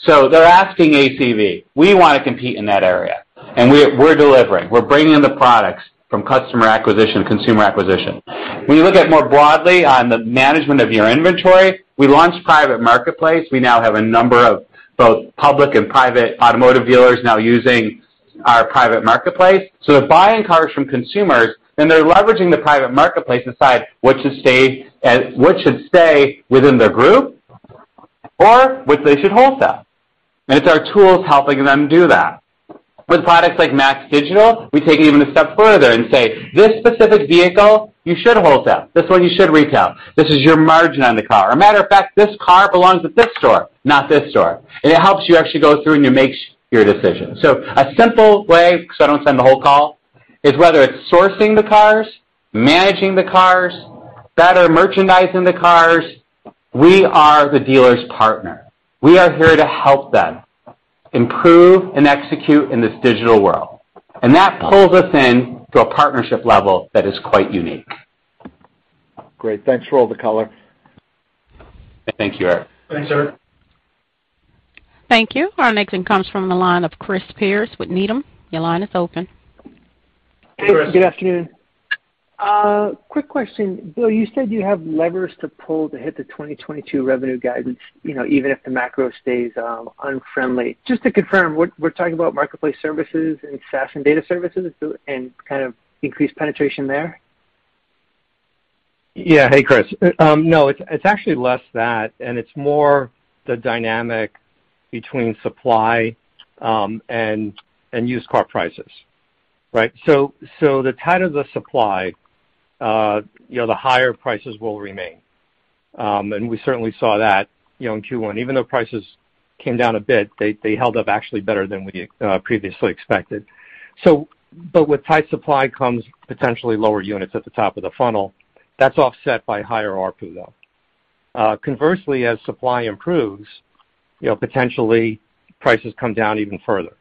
They're asking ACV, we wanna compete in that area, and we're delivering. We're bringing the products from customer acquisition, consumer acquisition. When you look more broadly at the management of your inventory, we launched private marketplace. We now have a number of both public and private automotive dealers now using our private marketplace. They're buying cars from consumers, and they're leveraging the private marketplace to decide what should stay within their group or which they should wholesale. It's our tools helping them do that. With products like MAX Digital, we take it even a step further and say, "This specific vehicle, you should wholesale. This one you should retail. This is your margin on the car. A matter of fact, this car belongs at this store, not this store." It helps you actually go through and you make your decision. A simple way, because I don't wanna spend the whole call, is whether it's sourcing the cars, managing the cars, better merchandising the cars, we are the dealer's partner. We are here to help them improve and execute in this digital world. That pulls us in to a partnership level that is quite unique. Great. Thanks for all the color. Thank you, Eric. Thanks, Eric. Thank you. Our next one comes from the line of Chris Pierce with Needham. Your line is open. Hey, Chris. Good afternoon. Quick question. Bill, you said you have levers to pull to hit the 2022 revenue guidance, you know, even if the macro stays unfriendly. Just to confirm, we're talking about marketplace services and SaaS and data services and kind of increased penetration there? Yeah. Hey, Chris. No, it's actually less than that, and it's more the dynamic between supply and used car prices. Right. So the tighter the supply, you know, the higher prices will remain. We certainly saw that, you know, in Q1. Even though prices came down a bit, they held up actually better than we previously expected. With tight supply comes potentially lower units at the top of the funnel. That's offset by higher ARPU, though. Conversely, as supply improves, you know, potentially prices come down even further.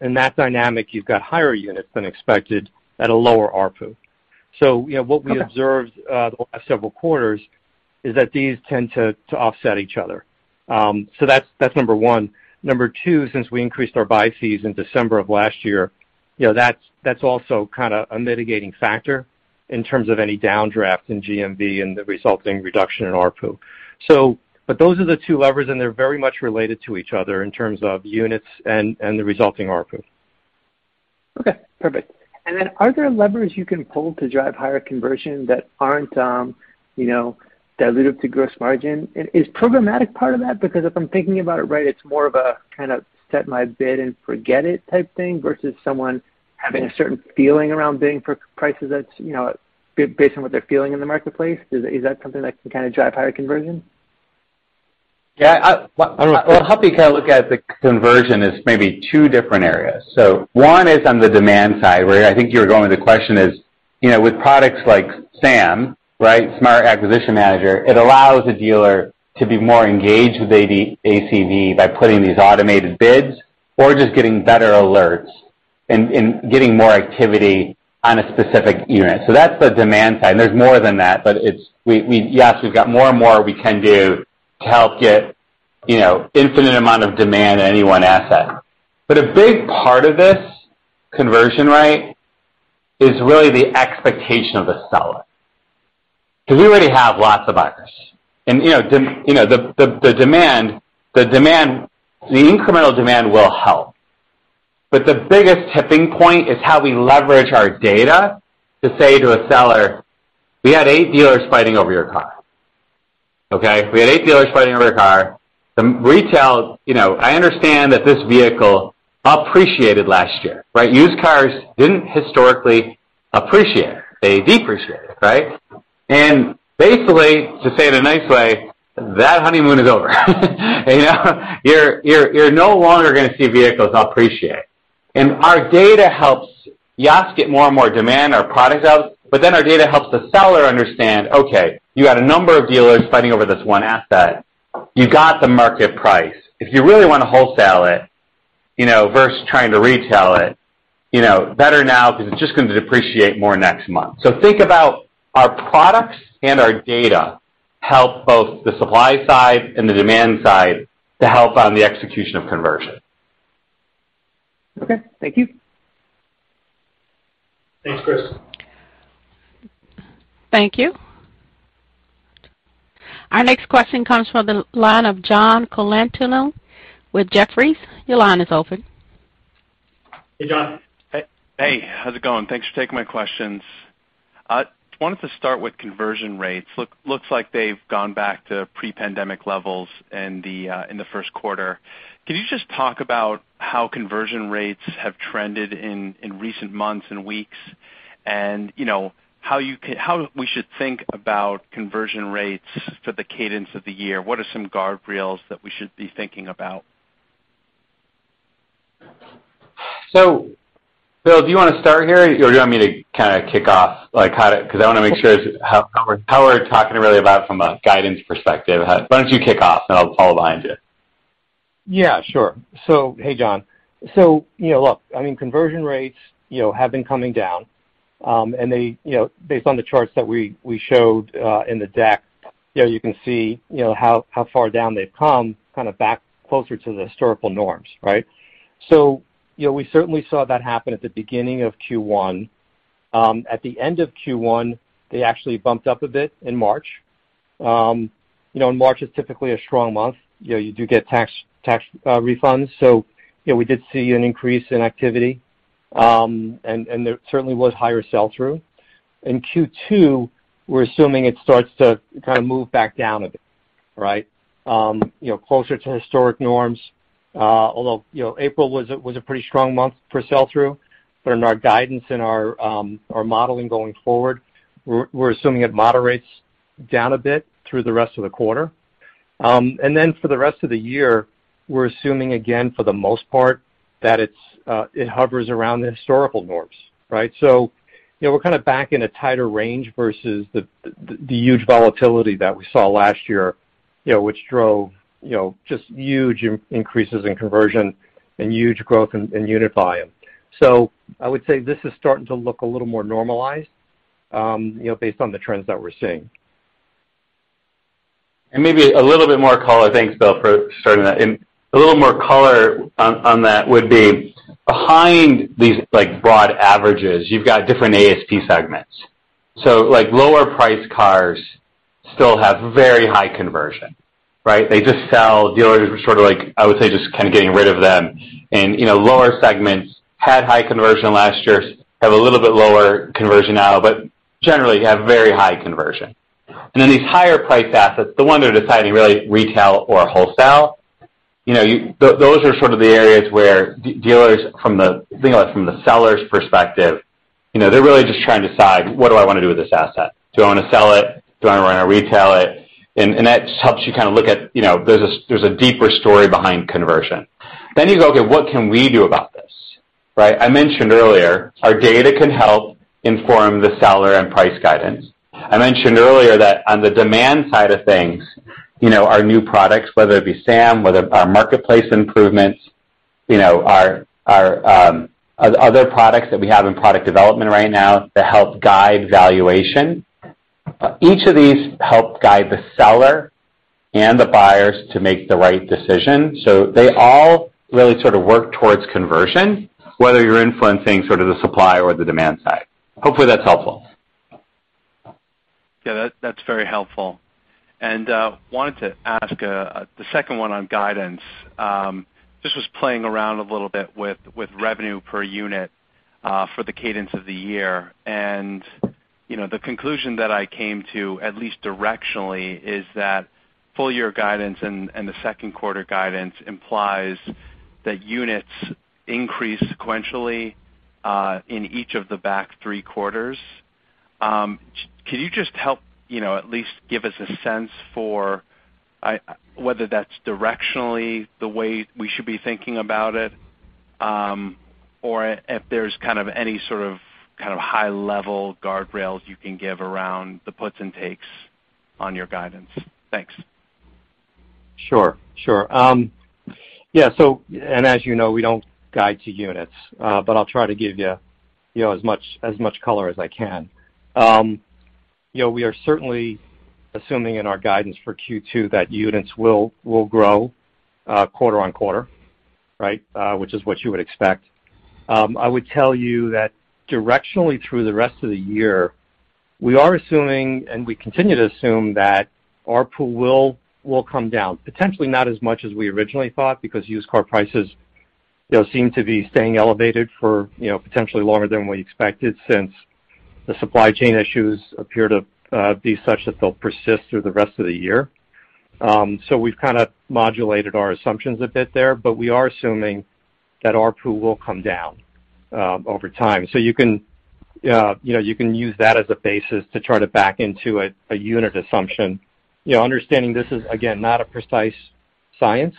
In that dynamic, you've got higher units than expected at a lower ARPU. You know, what we observed, the last several quarters is that these tend to offset each other. That's number one. Number two, since we increased our buy fees in December of last year, you know, that's also kinda a mitigating factor in terms of any downdraft in GMV and the resulting reduction in ARPU. But those are the two levers, and they're very much related to each other in terms of units and the resulting ARPU. Okay. Perfect. Are there levers you can pull to drive higher conversion that aren't, you know, dilutive to gross margin? Is programmatic part of that? Because if I'm thinking about it right, it's more of a kind of set my bid and forget it type thing versus someone having a certain feeling around bidding for prices that's, you know, based on what they're feeling in the marketplace. Is that something that can kinda drive higher conversion? Well, I'll help you kinda look at the conversion as maybe two different areas. One is on the demand side, where I think you're going with the question is, you know, with products like SAM, right, Smart Acquisition Manager, it allows a dealer to be more engaged with ACV by putting these automated bids or just getting better alerts and getting more activity on a specific unit. That's the demand side, and there's more than that, but it's. We. Yes, we've got more and more we can do to help get, you know, infinite amount of demand on any one asset. A big part of this conversion rate is really the expectation of the seller. Because we already have lots of buyers. You know, the demand, the incremental demand will help. The biggest tipping point is how we leverage our data to say to a seller, "We had 8 dealers fighting over your car." Okay? We had 8 dealers fighting over your car. You know, I understand that this vehicle appreciated last year, right? Used cars didn't historically appreciate. They depreciated, right? Basically, to say it in a nice way, that honeymoon is over. You know? You're no longer gonna see vehicles appreciate. Our data helps yes, get more and more demand our products out, but then our data helps the seller understand, okay, you had a number of dealers fighting over this one asset. You got the market price. If you really wanna wholesale it, you know, versus trying to retail it, you know, better now because it's just going to depreciate more next month. Think about our products and our data help both the supply side and the demand side to help on the execution of conversion. Okay. Thank you. Thanks, Chris. Thank you. Our next question comes from the line of John Colantuoni with Jefferies. Your line is open. Hey, John. Hey. How's it going? Thanks for taking my questions. Wanted to start with conversion rates. Looks like they've gone back to pre-pandemic levels in the first quarter. Can you just talk about how conversion rates have trended in recent months and weeks and, you know, how we should think about conversion rates for the cadence of the year? What are some guardrails that we should be thinking about? Bill, do you wanna start here, or do you want me to kinda kick off, like, how to... Because I wanna make sure how we're talking really about it from a guidance perspective. Why don't you kick off, and I'll follow behind you. Yeah, sure. Hey, John. You know, look, I mean, conversion rates, you know, have been coming down. They, you know, based on the charts that we showed in the deck, you know, you can see, you know, how far down they've come, kind of back closer to the historical norms, right? You know, we certainly saw that happen at the beginning of Q1. At the end of Q1, they actually bumped up a bit in March. You know, March is typically a strong month. You know, you do get tax refunds. You know, we did see an increase in activity, and there certainly was higher sell-through. In Q2, we're assuming it starts to kinda move back down a bit, right? You know, closer to historic norms, although, you know, April was a pretty strong month for sell-through. In our guidance and our modeling going forward, we're assuming it moderates down a bit through the rest of the quarter. For the rest of the year, we're assuming, again, for the most part, that it hovers around the historical norms, right? You know, we're kinda back in a tighter range versus the huge volatility that we saw last year, you know, which drove, you know, just huge increases in conversion and huge growth in unit volume. I would say this is starting to look a little more normalized, you know, based on the trends that we're seeing. Maybe a little bit more color. Thanks, Bill, for starting that. A little more color on that would be behind these, like, broad averages, you've got different ASP segments. Like, lower priced cars still have very high conversion, right? They just sell. Dealers are sort of like, I would say, just kind of getting rid of them. You know, lower segments had high conversion last year, have a little bit lower conversion now, but generally have very high conversion. Then these higher priced assets, the one they're deciding really retail or wholesale. You know, those are sort of the areas where dealers from the. Think about it from the seller's perspective, you know, they're really just trying to decide, "What do I wanna do with this asset? Do I wanna sell it? Do I wanna retail it?" That just helps you kind of look at, you know, there's a deeper story behind conversion. You go, okay, what can we do about this, right? I mentioned earlier, our data can help inform the seller and price guidance. I mentioned earlier that on the demand side of things, you know, our new products, whether it be SAM, whether our marketplace improvements, you know, our other products that we have in product development right now that help guide valuation. Each of these help guide the seller and the buyers to make the right decision. They all really sort of work towards conversion, whether you're influencing sort of the supply or the demand side. Hopefully, that's helpful. Yeah, that's very helpful. Wanted to ask the second one on guidance. Just was playing around a little bit with revenue per unit for the cadence of the year. You know, the conclusion that I came to, at least directionally, is that full year guidance and the second quarter guidance implies that units increase sequentially in each of the back three quarters. Can you just help, you know, at least give us a sense for whether that's directionally the way we should be thinking about it, or if there's kind of any sort of high level guardrails you can give around the puts and takes on your guidance? Thanks. Sure. As you know, we don't guide to units, but I'll try to give you know, as much color as I can. You know, we are certainly assuming in our guidance for Q2 that units will grow quarter-over-quarter, right? Which is what you would expect. I would tell you that directionally through the rest of the year, we are assuming, and we continue to assume that ARPU will come down. Potentially not as much as we originally thought because used car prices, you know, seem to be staying elevated for, you know, potentially longer than we expected since the supply chain issues appear to be such that they'll persist through the rest of the year. We've kinda modulated our assumptions a bit there, but we are assuming that ARPU will come down over time. You can, you know, use that as a basis to turn it back into a unit assumption. You know, understanding this is, again, not a precise science.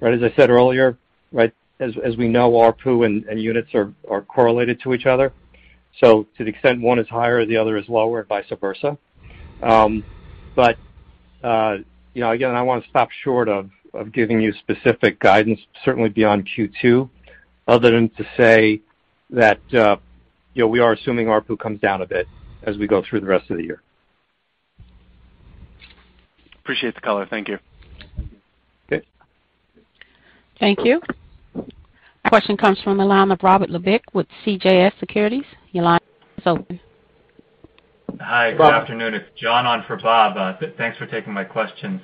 Right as I said earlier, right, as we know, ARPU and units are correlated to each other. To the extent one is higher, the other is lower, vice versa. You know, again, I wanna stop short of giving you specific guidance, certainly beyond Q2, other than to say that, you know, we are assuming ARPU comes down a bit as we go through the rest of the year. Appreciate the color. Thank you. Okay. Thank you. Question comes from the line of Robert Labick with CJS Securities. Your line is open. Hi. Good afternoon. It's John on for Bob. Thanks for taking my questions.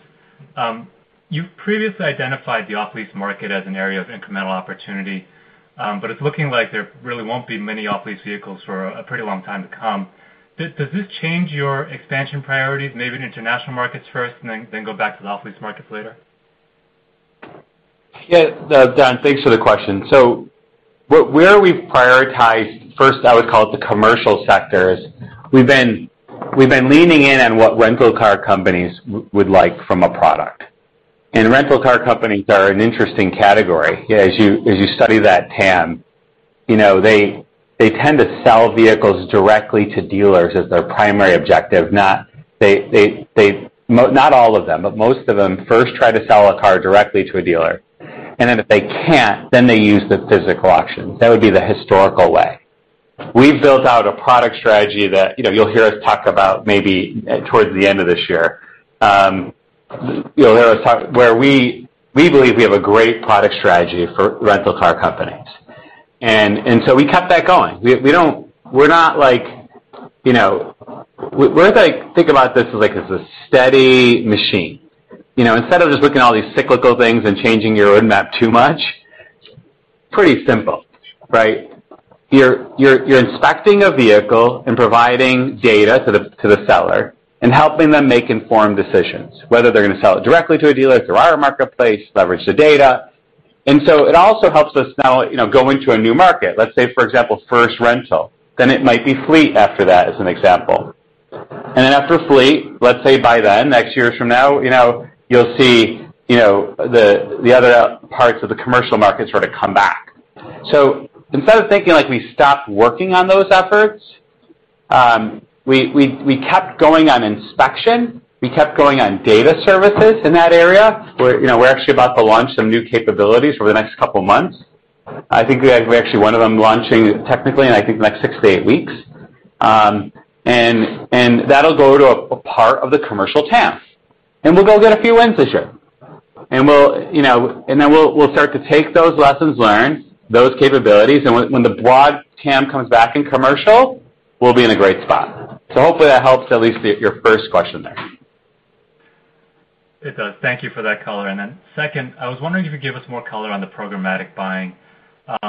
You've previously identified the off-lease market as an area of incremental opportunity, but it's looking like there really won't be many off-lease vehicles for a pretty long time to come. Does this change your expansion priorities, maybe to international markets first, and then go back to the off-lease markets later? Yeah, John, thanks for the question. Where we've prioritized first, I would call it the commercial sectors. We've been leaning in on what rental car companies would like from a product. Rental car companies are an interesting category. As you study that TAM, you know, they tend to sell vehicles directly to dealers as their primary objective, not all of them, but most of them first try to sell a car directly to a dealer. Then if they can't, they use the physical auction. That would be the historical way. We've built out a product strategy that, you know, you'll hear us talk about maybe towards the end of this year. You'll hear us talk where we believe we have a great product strategy for rental car companies. We kept that going. We're not like, you know, think about this as like, as a steady machine. You know, instead of just looking at all these cyclical things and changing your roadmap too much, pretty simple, right? You're inspecting a vehicle and providing data to the seller and helping them make informed decisions, whether they're gonna sell it directly to a dealer through our marketplace, leverage the data. It also helps us now, you know, go into a new market, let's say, for example, first rental, then it might be fleet after that as an example. After fleet, let's say by then, next year from now, you know, you'll see, you know, the other parts of the commercial market sort of come back. Instead of thinking like we stopped working on those efforts, we kept going on inspection, we kept going on data services in that area. We're, you know, actually about to launch some new capabilities over the next couple of months. I think we have actually one of them launching technically in, I think, the next 6-8 weeks. And that'll go to a part of the commercial TAM. We'll go get a few wins this year. And we'll, you know, then we'll start to take those lessons learned, those capabilities, and when the broad TAM comes back in commercial, we'll be in a great spot. Hopefully that helps at least your first question there. It does. Thank you for that color. Second, I was wondering if you could give us more color on the programmatic buying?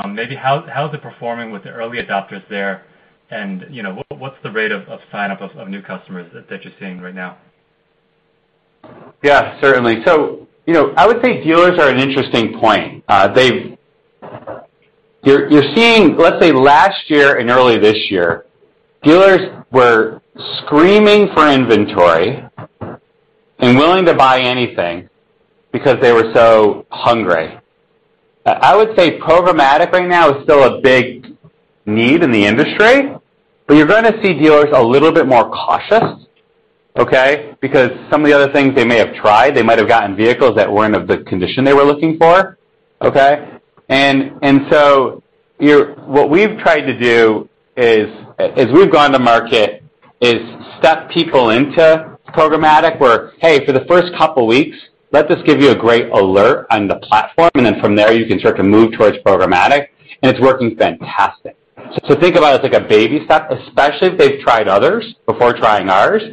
Maybe how is it performing with the early adopters there? You know, what's the rate of sign-up of new customers that you're seeing right now? Yeah, certainly. You know, I would say dealers are an interesting point. You're seeing, let's say last year and early this year, dealers were screaming for inventory and willing to buy anything because they were so hungry. I would say programmatic right now is still a big need in the industry, but you're gonna see dealers a little bit more cautious, okay, because some of the other things they may have tried, they might have gotten vehicles that weren't of the condition they were looking for, okay? What we've tried to do is as we've gone to market is step people into programmatic where, hey, for the first couple weeks, let us give you a great alert on the platform, and then from there, you can start to move towards programmatic, and it's working fantastic. Think about it as like a baby step, especially if they've tried others before trying ours.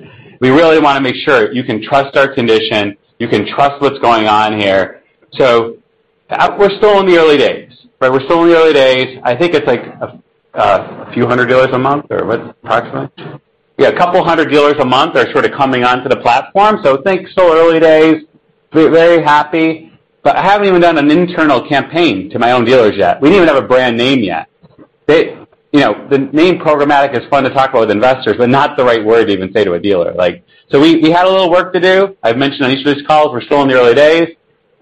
We really wanna make sure you can trust our condition, you can trust what's going on here. We're still in the early days, right? I think it's like a few hundred dealers a month or what approximately? Yeah, a couple hundred dealers a month are sort of coming onto the platform. Think still early days. We're very happy. I haven't even done an internal campaign to my own dealers yet. We don't even have a brand name yet. They, you know, the name programmatic is fun to talk about with investors, but not the right word to even say to a dealer. Like, so we had a little work to do. I've mentioned on each of these calls, we're still in the early days.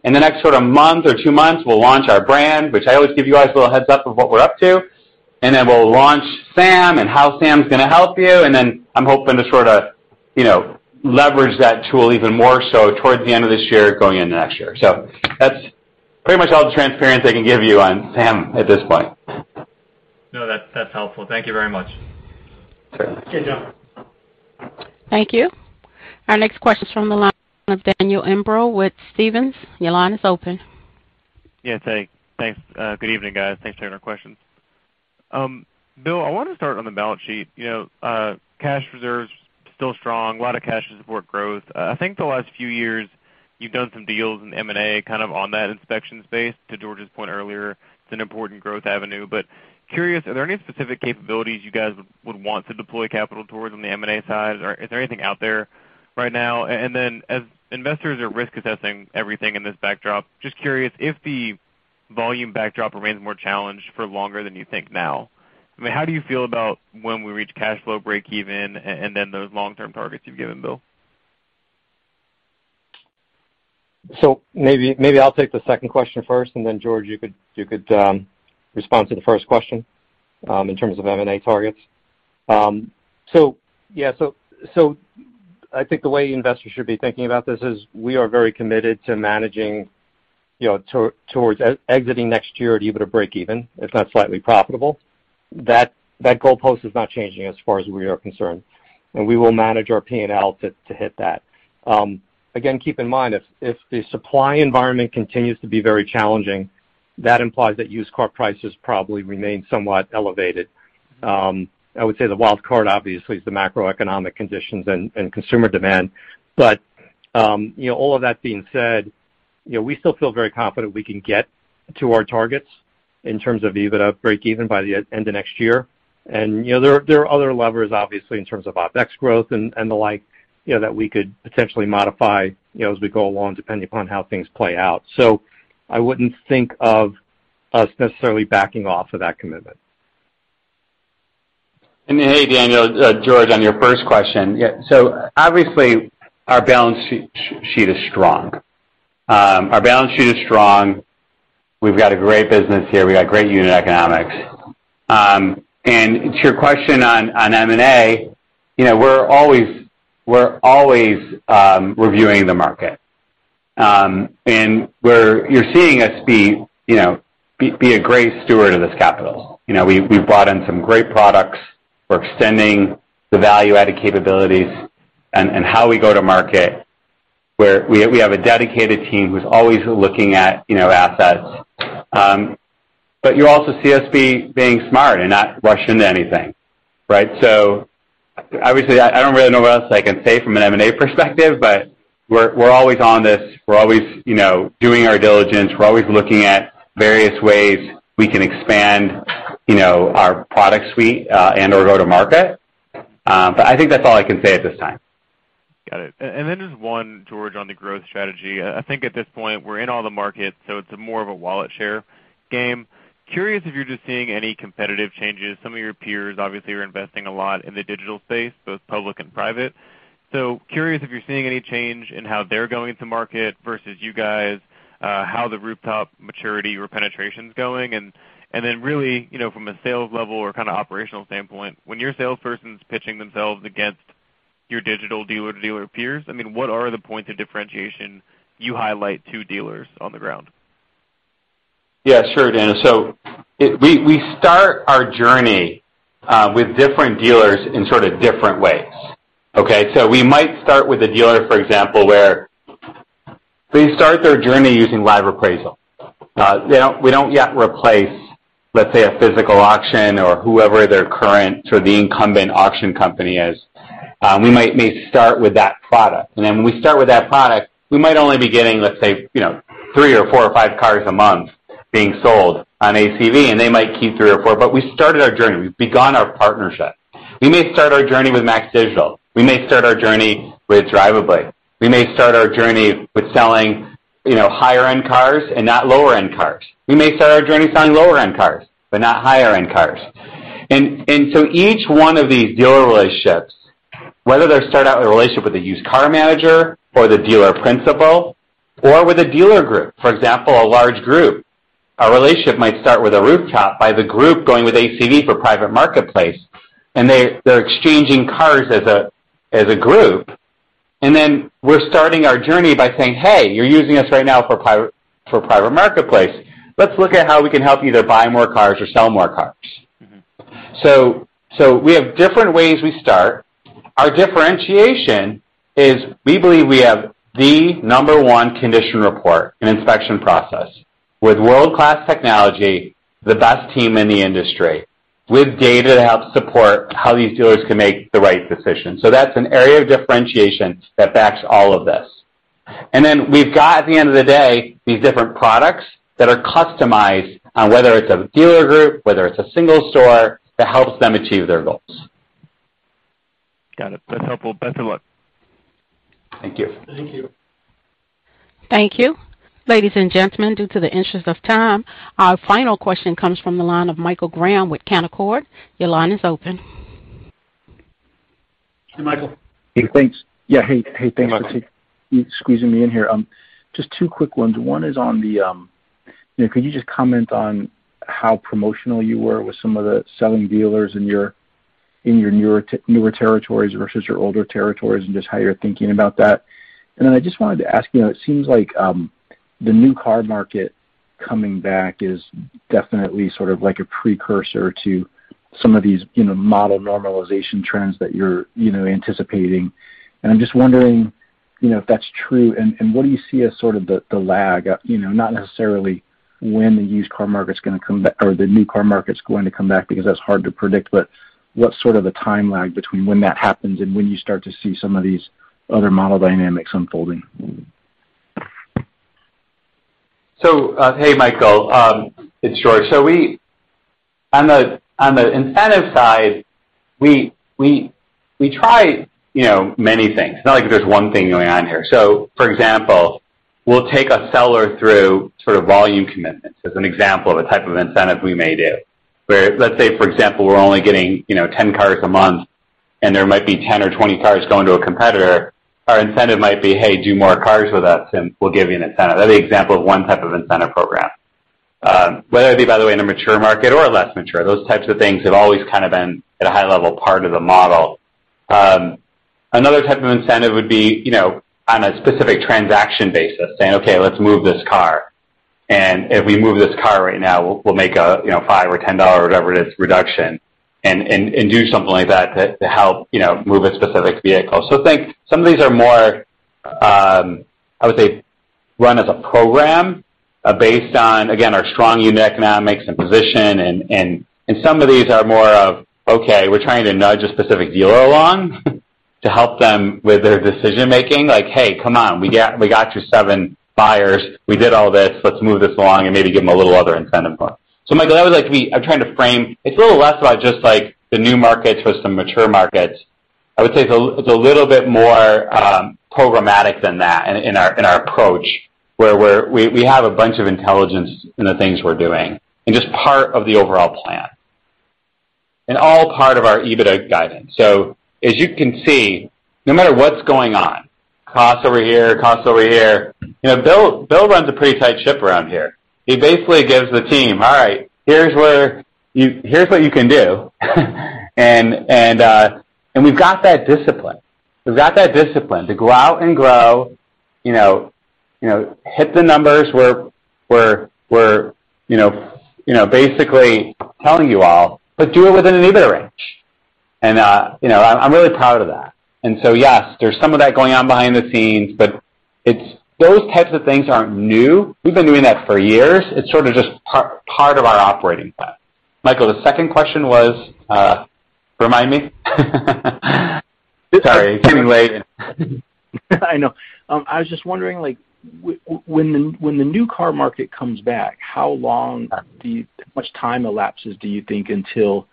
In the next sort of month or two months, we'll launch our brand, which I always give you guys a little heads up of what we're up to. We'll launch SAM and how SAM's gonna help you, and then I'm hoping to sorta, you know, leverage that tool even more so towards the end of this year, going into next year. That's pretty much all the transparency I can give you on SAM at this point. No, that's helpful. Thank you very much. Certainly. Okay, John. Thank you. Our next question is from the line of Daniel Imbro with Stephens. Your line is open. Yeah, thanks. Good evening, guys. Thanks for taking our questions. Bill, I wanna start on the balance sheet. You know, cash reserves still strong, a lot of cash to support growth. I think the last few years you've done some deals in M&A kind of on that inspection space, to George's point earlier, it's an important growth avenue. Curious, are there any specific capabilities you guys would want to deploy capital towards on the M&A side? Or is there anything out there right now? As investors are risk assessing everything in this backdrop, just curious if the volume backdrop remains more challenged for longer than you think now, I mean, how do you feel about when we reach cash flow breakeven and then those long-term targets you've given, Bill? Maybe I'll take the second question first, and then George, you could respond to the first question in terms of M&A targets. I think the way investors should be thinking about this is we are very committed to managing, you know, towards exiting next year at EBITDA breakeven, if not slightly profitable. That goalpost is not changing as far as we are concerned, and we will manage our P&L to hit that. Again, keep in mind, if the supply environment continues to be very challenging, that implies that used car prices probably remain somewhat elevated. I would say the wild card obviously is the macroeconomic conditions and consumer demand. You know, all of that being said, you know, we still feel very confident we can get to our targets in terms of EBITDA breakeven by the end of next year. You know, there are other levers obviously, in terms of OpEx growth and the like, you know, that we could potentially modify, you know, as we go along, depending upon how things play out. I wouldn't think of us necessarily backing off of that commitment. Hey, Daniel, George, on your first question. Yeah. Obviously, our balance sheet is strong. Our balance sheet is strong. We've got a great business here. We've got great unit economics. To your question on M&A, you know, we're always reviewing the market. You're seeing us be a great steward of this capital. You know, we've brought in some great products. We're extending the value-added capabilities and how we go to market, where we have a dedicated team who's always looking at, you know, assets. You also see us being smart and not rush into anything, right? Obviously, I don't really know what else I can say from an M&A perspective, but we're always on this. We're always, you know, doing our diligence. We're always looking at various ways we can expand, you know, our product suite and/or go to market. I think that's all I can say at this time. Got it. Just one, George, on the growth strategy. I think at this point, we're in all the markets, so it's more of a wallet share game. Curious if you're just seeing any competitive changes? Some of your peers obviously are investing a lot in the digital space, both public and private. Curious if you're seeing any change in how they're going to market versus you guys, how the rooftop maturity or penetration's going? Really, you know, from a sales level or kinda operational standpoint, when your salesperson's pitching themselves against your digital dealer-to-dealer peers, I mean, what are the points of differentiation you highlight to dealers on the ground? Yeah, sure, Daniel. We start our journey with different dealers in sort of different ways, okay? We might start with a dealer, for example, where they start their journey using Live Appraisal. We don't yet replace, let's say, a physical auction or whoever their current, sort of the incumbent auction company is. We may start with that product. When we start with that product, we might only be getting, let's say, you know, three or four or five cars a month being sold on ACV, and they might keep three or four. We started our journey. We've begun our partnership. We may start our journey with MAX Digital. We may start our journey with Drivably. We may start our journey with selling, you know, higher-end cars and not lower-end cars. We may start our journey selling lower-end cars, but not higher-end cars. Each one of these dealer relationships, whether they're starting out a relationship with a used car manager or the dealer principal or with a dealer group, for example, a large group, our relationship might start with a rooftop by the group going with ACV for private marketplace, and they're exchanging cars as a group. We're starting our journey by saying, "Hey, you're using us right now for private marketplace. Let's look at how we can help you to buy more cars or sell more cars. Mm-hmm. We have different ways we start. Our differentiation is we believe we have the number one condition report and inspection process with world-class technology, the best team in the industry, with data to help support how these dealers can make the right decisions. That's an area of differentiation that backs all of this. Then we've got, at the end of the day, these different products that are customized on whether it's a dealer group, whether it's a single store, that helps them achieve their goals. Got it. That's helpful. Best of luck. Thank you. Thank you. Thank you. Ladies and gentlemen, in the interest of time, our final question comes from the line of Michael Graham with Canaccord. Your line is open. Hey, Michael. Hey, thanks. Yeah, hey, thanks for squeezing me in here. Just two quick ones. One is on the. You know, could you just comment on how promotional you were with some of the selling dealers in your newer territories versus your older territories and just how you're thinking about that? Then I just wanted to ask you, it seems like the new car market coming back is definitely sort of like a precursor to some of these, you know, model normalization trends that you're, you know, anticipating. I'm just wondering, you know, if that's true and what do you see as sort of the lag, you know, not necessarily when the used car market's gonna come back or the new car market's going to come back because that's hard to predict, but what's sort of the time lag between when that happens and when you start to see some of these other model dynamics unfolding? Hey, Michael. It's George. On the incentive side, we try, you know, many things. It's not like there's one thing going on here. For example, we'll take a seller through sort of volume commitments as an example of a type of incentive we may do. Where let's say, for example, we're only getting, you know, 10 cars a month, and there might be 10 or 20 cars going to a competitor, our incentive might be, "Hey, do more cars with us, and we'll give you an incentive." That'd be example of one type of incentive program. Whether it be, by the way, in a mature market or a less mature, those types of things have always kind of been at a high-level part of the model. Another type of incentive would be, you know, on a specific transaction basis, saying, "Okay, let's move this car. And if we move this car right now, we'll make a, you know, $5 or $10, whatever it is, reduction" and do something like that to help, you know, move a specific vehicle. Some of these are more, I would say run as a program based on, again, our strong unit economics and position and some of these are more of, okay, we're trying to nudge a specific dealer along to help them with their decision-making. Like, "Hey, come on, we got you seven buyers. We did all this. Let's move this along," and maybe give them a little other incentive for it. Michael, that was like we. I'm trying to frame it. It's a little less about just like the new markets versus the mature markets. I would say it's a little bit more programmatic than that in our approach, where we have a bunch of intelligence in the things we're doing and just part of the overall plan. It's all part of our EBITDA guidance. As you can see, no matter what's going on, costs over here, costs over here, you know, Bill runs a pretty tight ship around here. He basically gives the team, "All right, here's what you can do." We've got that discipline. We've got that discipline to go out and grow, you know, hit the numbers we're telling you all, but do it within an EBITDA range. You know, I'm really proud of that. Yes, there's some of that going on behind the scenes, but it's those types of things aren't new. We've been doing that for years. It's sort of just part of our operating plan. Michael, the second question was, remind me. Sorry, it's getting late. I know. I was just wondering, like, when the new car market comes back, how much time elapses do you think until,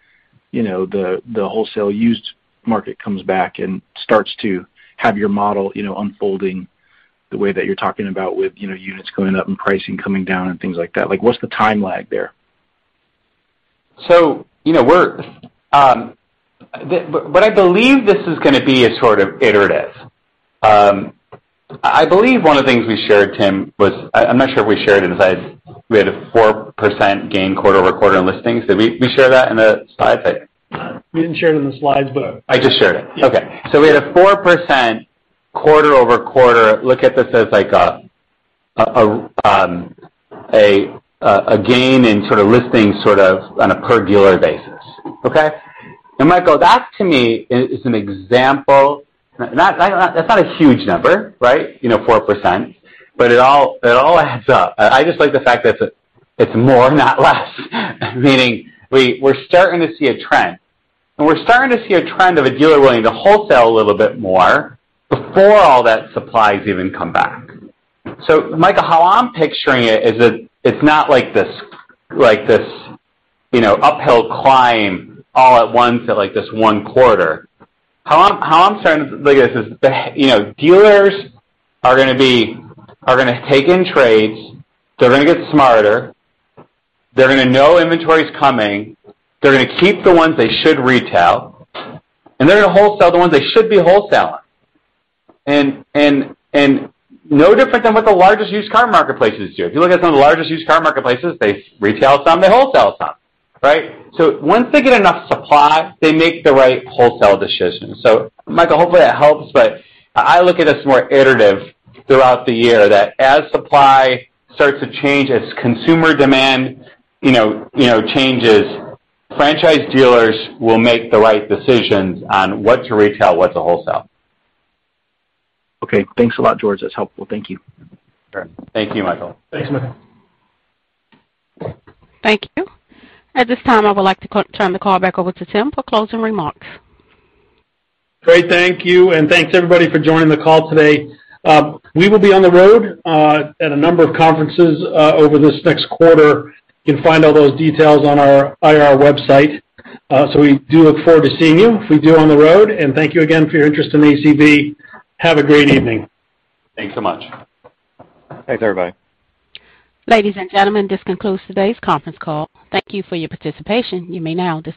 you know, the wholesale used market comes back and starts to have your model, you know, unfolding the way that you're talking about with, you know, units going up and pricing coming down and things like that? Like, what's the time lag there? I believe this is gonna be a sort of iterative. I believe one of the things we shared, Tim, was. I'm not sure if we shared it in the slides. We had a 4% gain quarter-over-quarter on listings. Did we share that in the slide? We didn't share it in the slides, but. I just shared it. Yeah. Okay. We had a 4% quarter-over-quarter look at this as like a gain in sort of listings sort of on a per dealer basis. Okay? Michael, that to me is an example. Not like, that's not a huge number, right? You know, 4%. But it all adds up. I just like the fact that it's more, not less meaning we're starting to see a trend. We're starting to see a trend of a dealer willing to wholesale a little bit more before all that supply has even come back. Michael, how I'm picturing it is that it's not like this, like this, you know, uphill climb all at once at like this one quarter. How I'm starting to look at this is the, you know, dealers are gonna take in trades, they're gonna get smarter, they're gonna know inventory's coming, they're gonna keep the ones they should retail, and they're gonna wholesale the ones they should be wholesaling. No different than what the largest used car marketplaces do. If you look at some of the largest used car marketplaces, they retail some, they wholesale some, right? Once they get enough supply, they make the right wholesale decision. Michael, hopefully that helps, but I look at this more iterative throughout the year that as supply starts to change, as consumer demand, you know, changes, franchise dealers will make the right decisions on what to retail, what to wholesale. Okay. Thanks a lot, George. That's helpful. Thank you. Sure. Thank you, Michael. Thanks, Michael. Thank you. At this time, I would like to turn the call back over to Tim for closing remarks. Great. Thank you, and thanks everybody for joining the call today. We will be on the road at a number of conferences over this next quarter. You can find all those details on our IR website. We do look forward to seeing you if we do on the road, and thank you again for your interest in ACV. Have a great evening. Thanks so much. Thanks, everybody. Ladies and gentlemen, this concludes today's conference call. Thank you for your participation. You may now dis-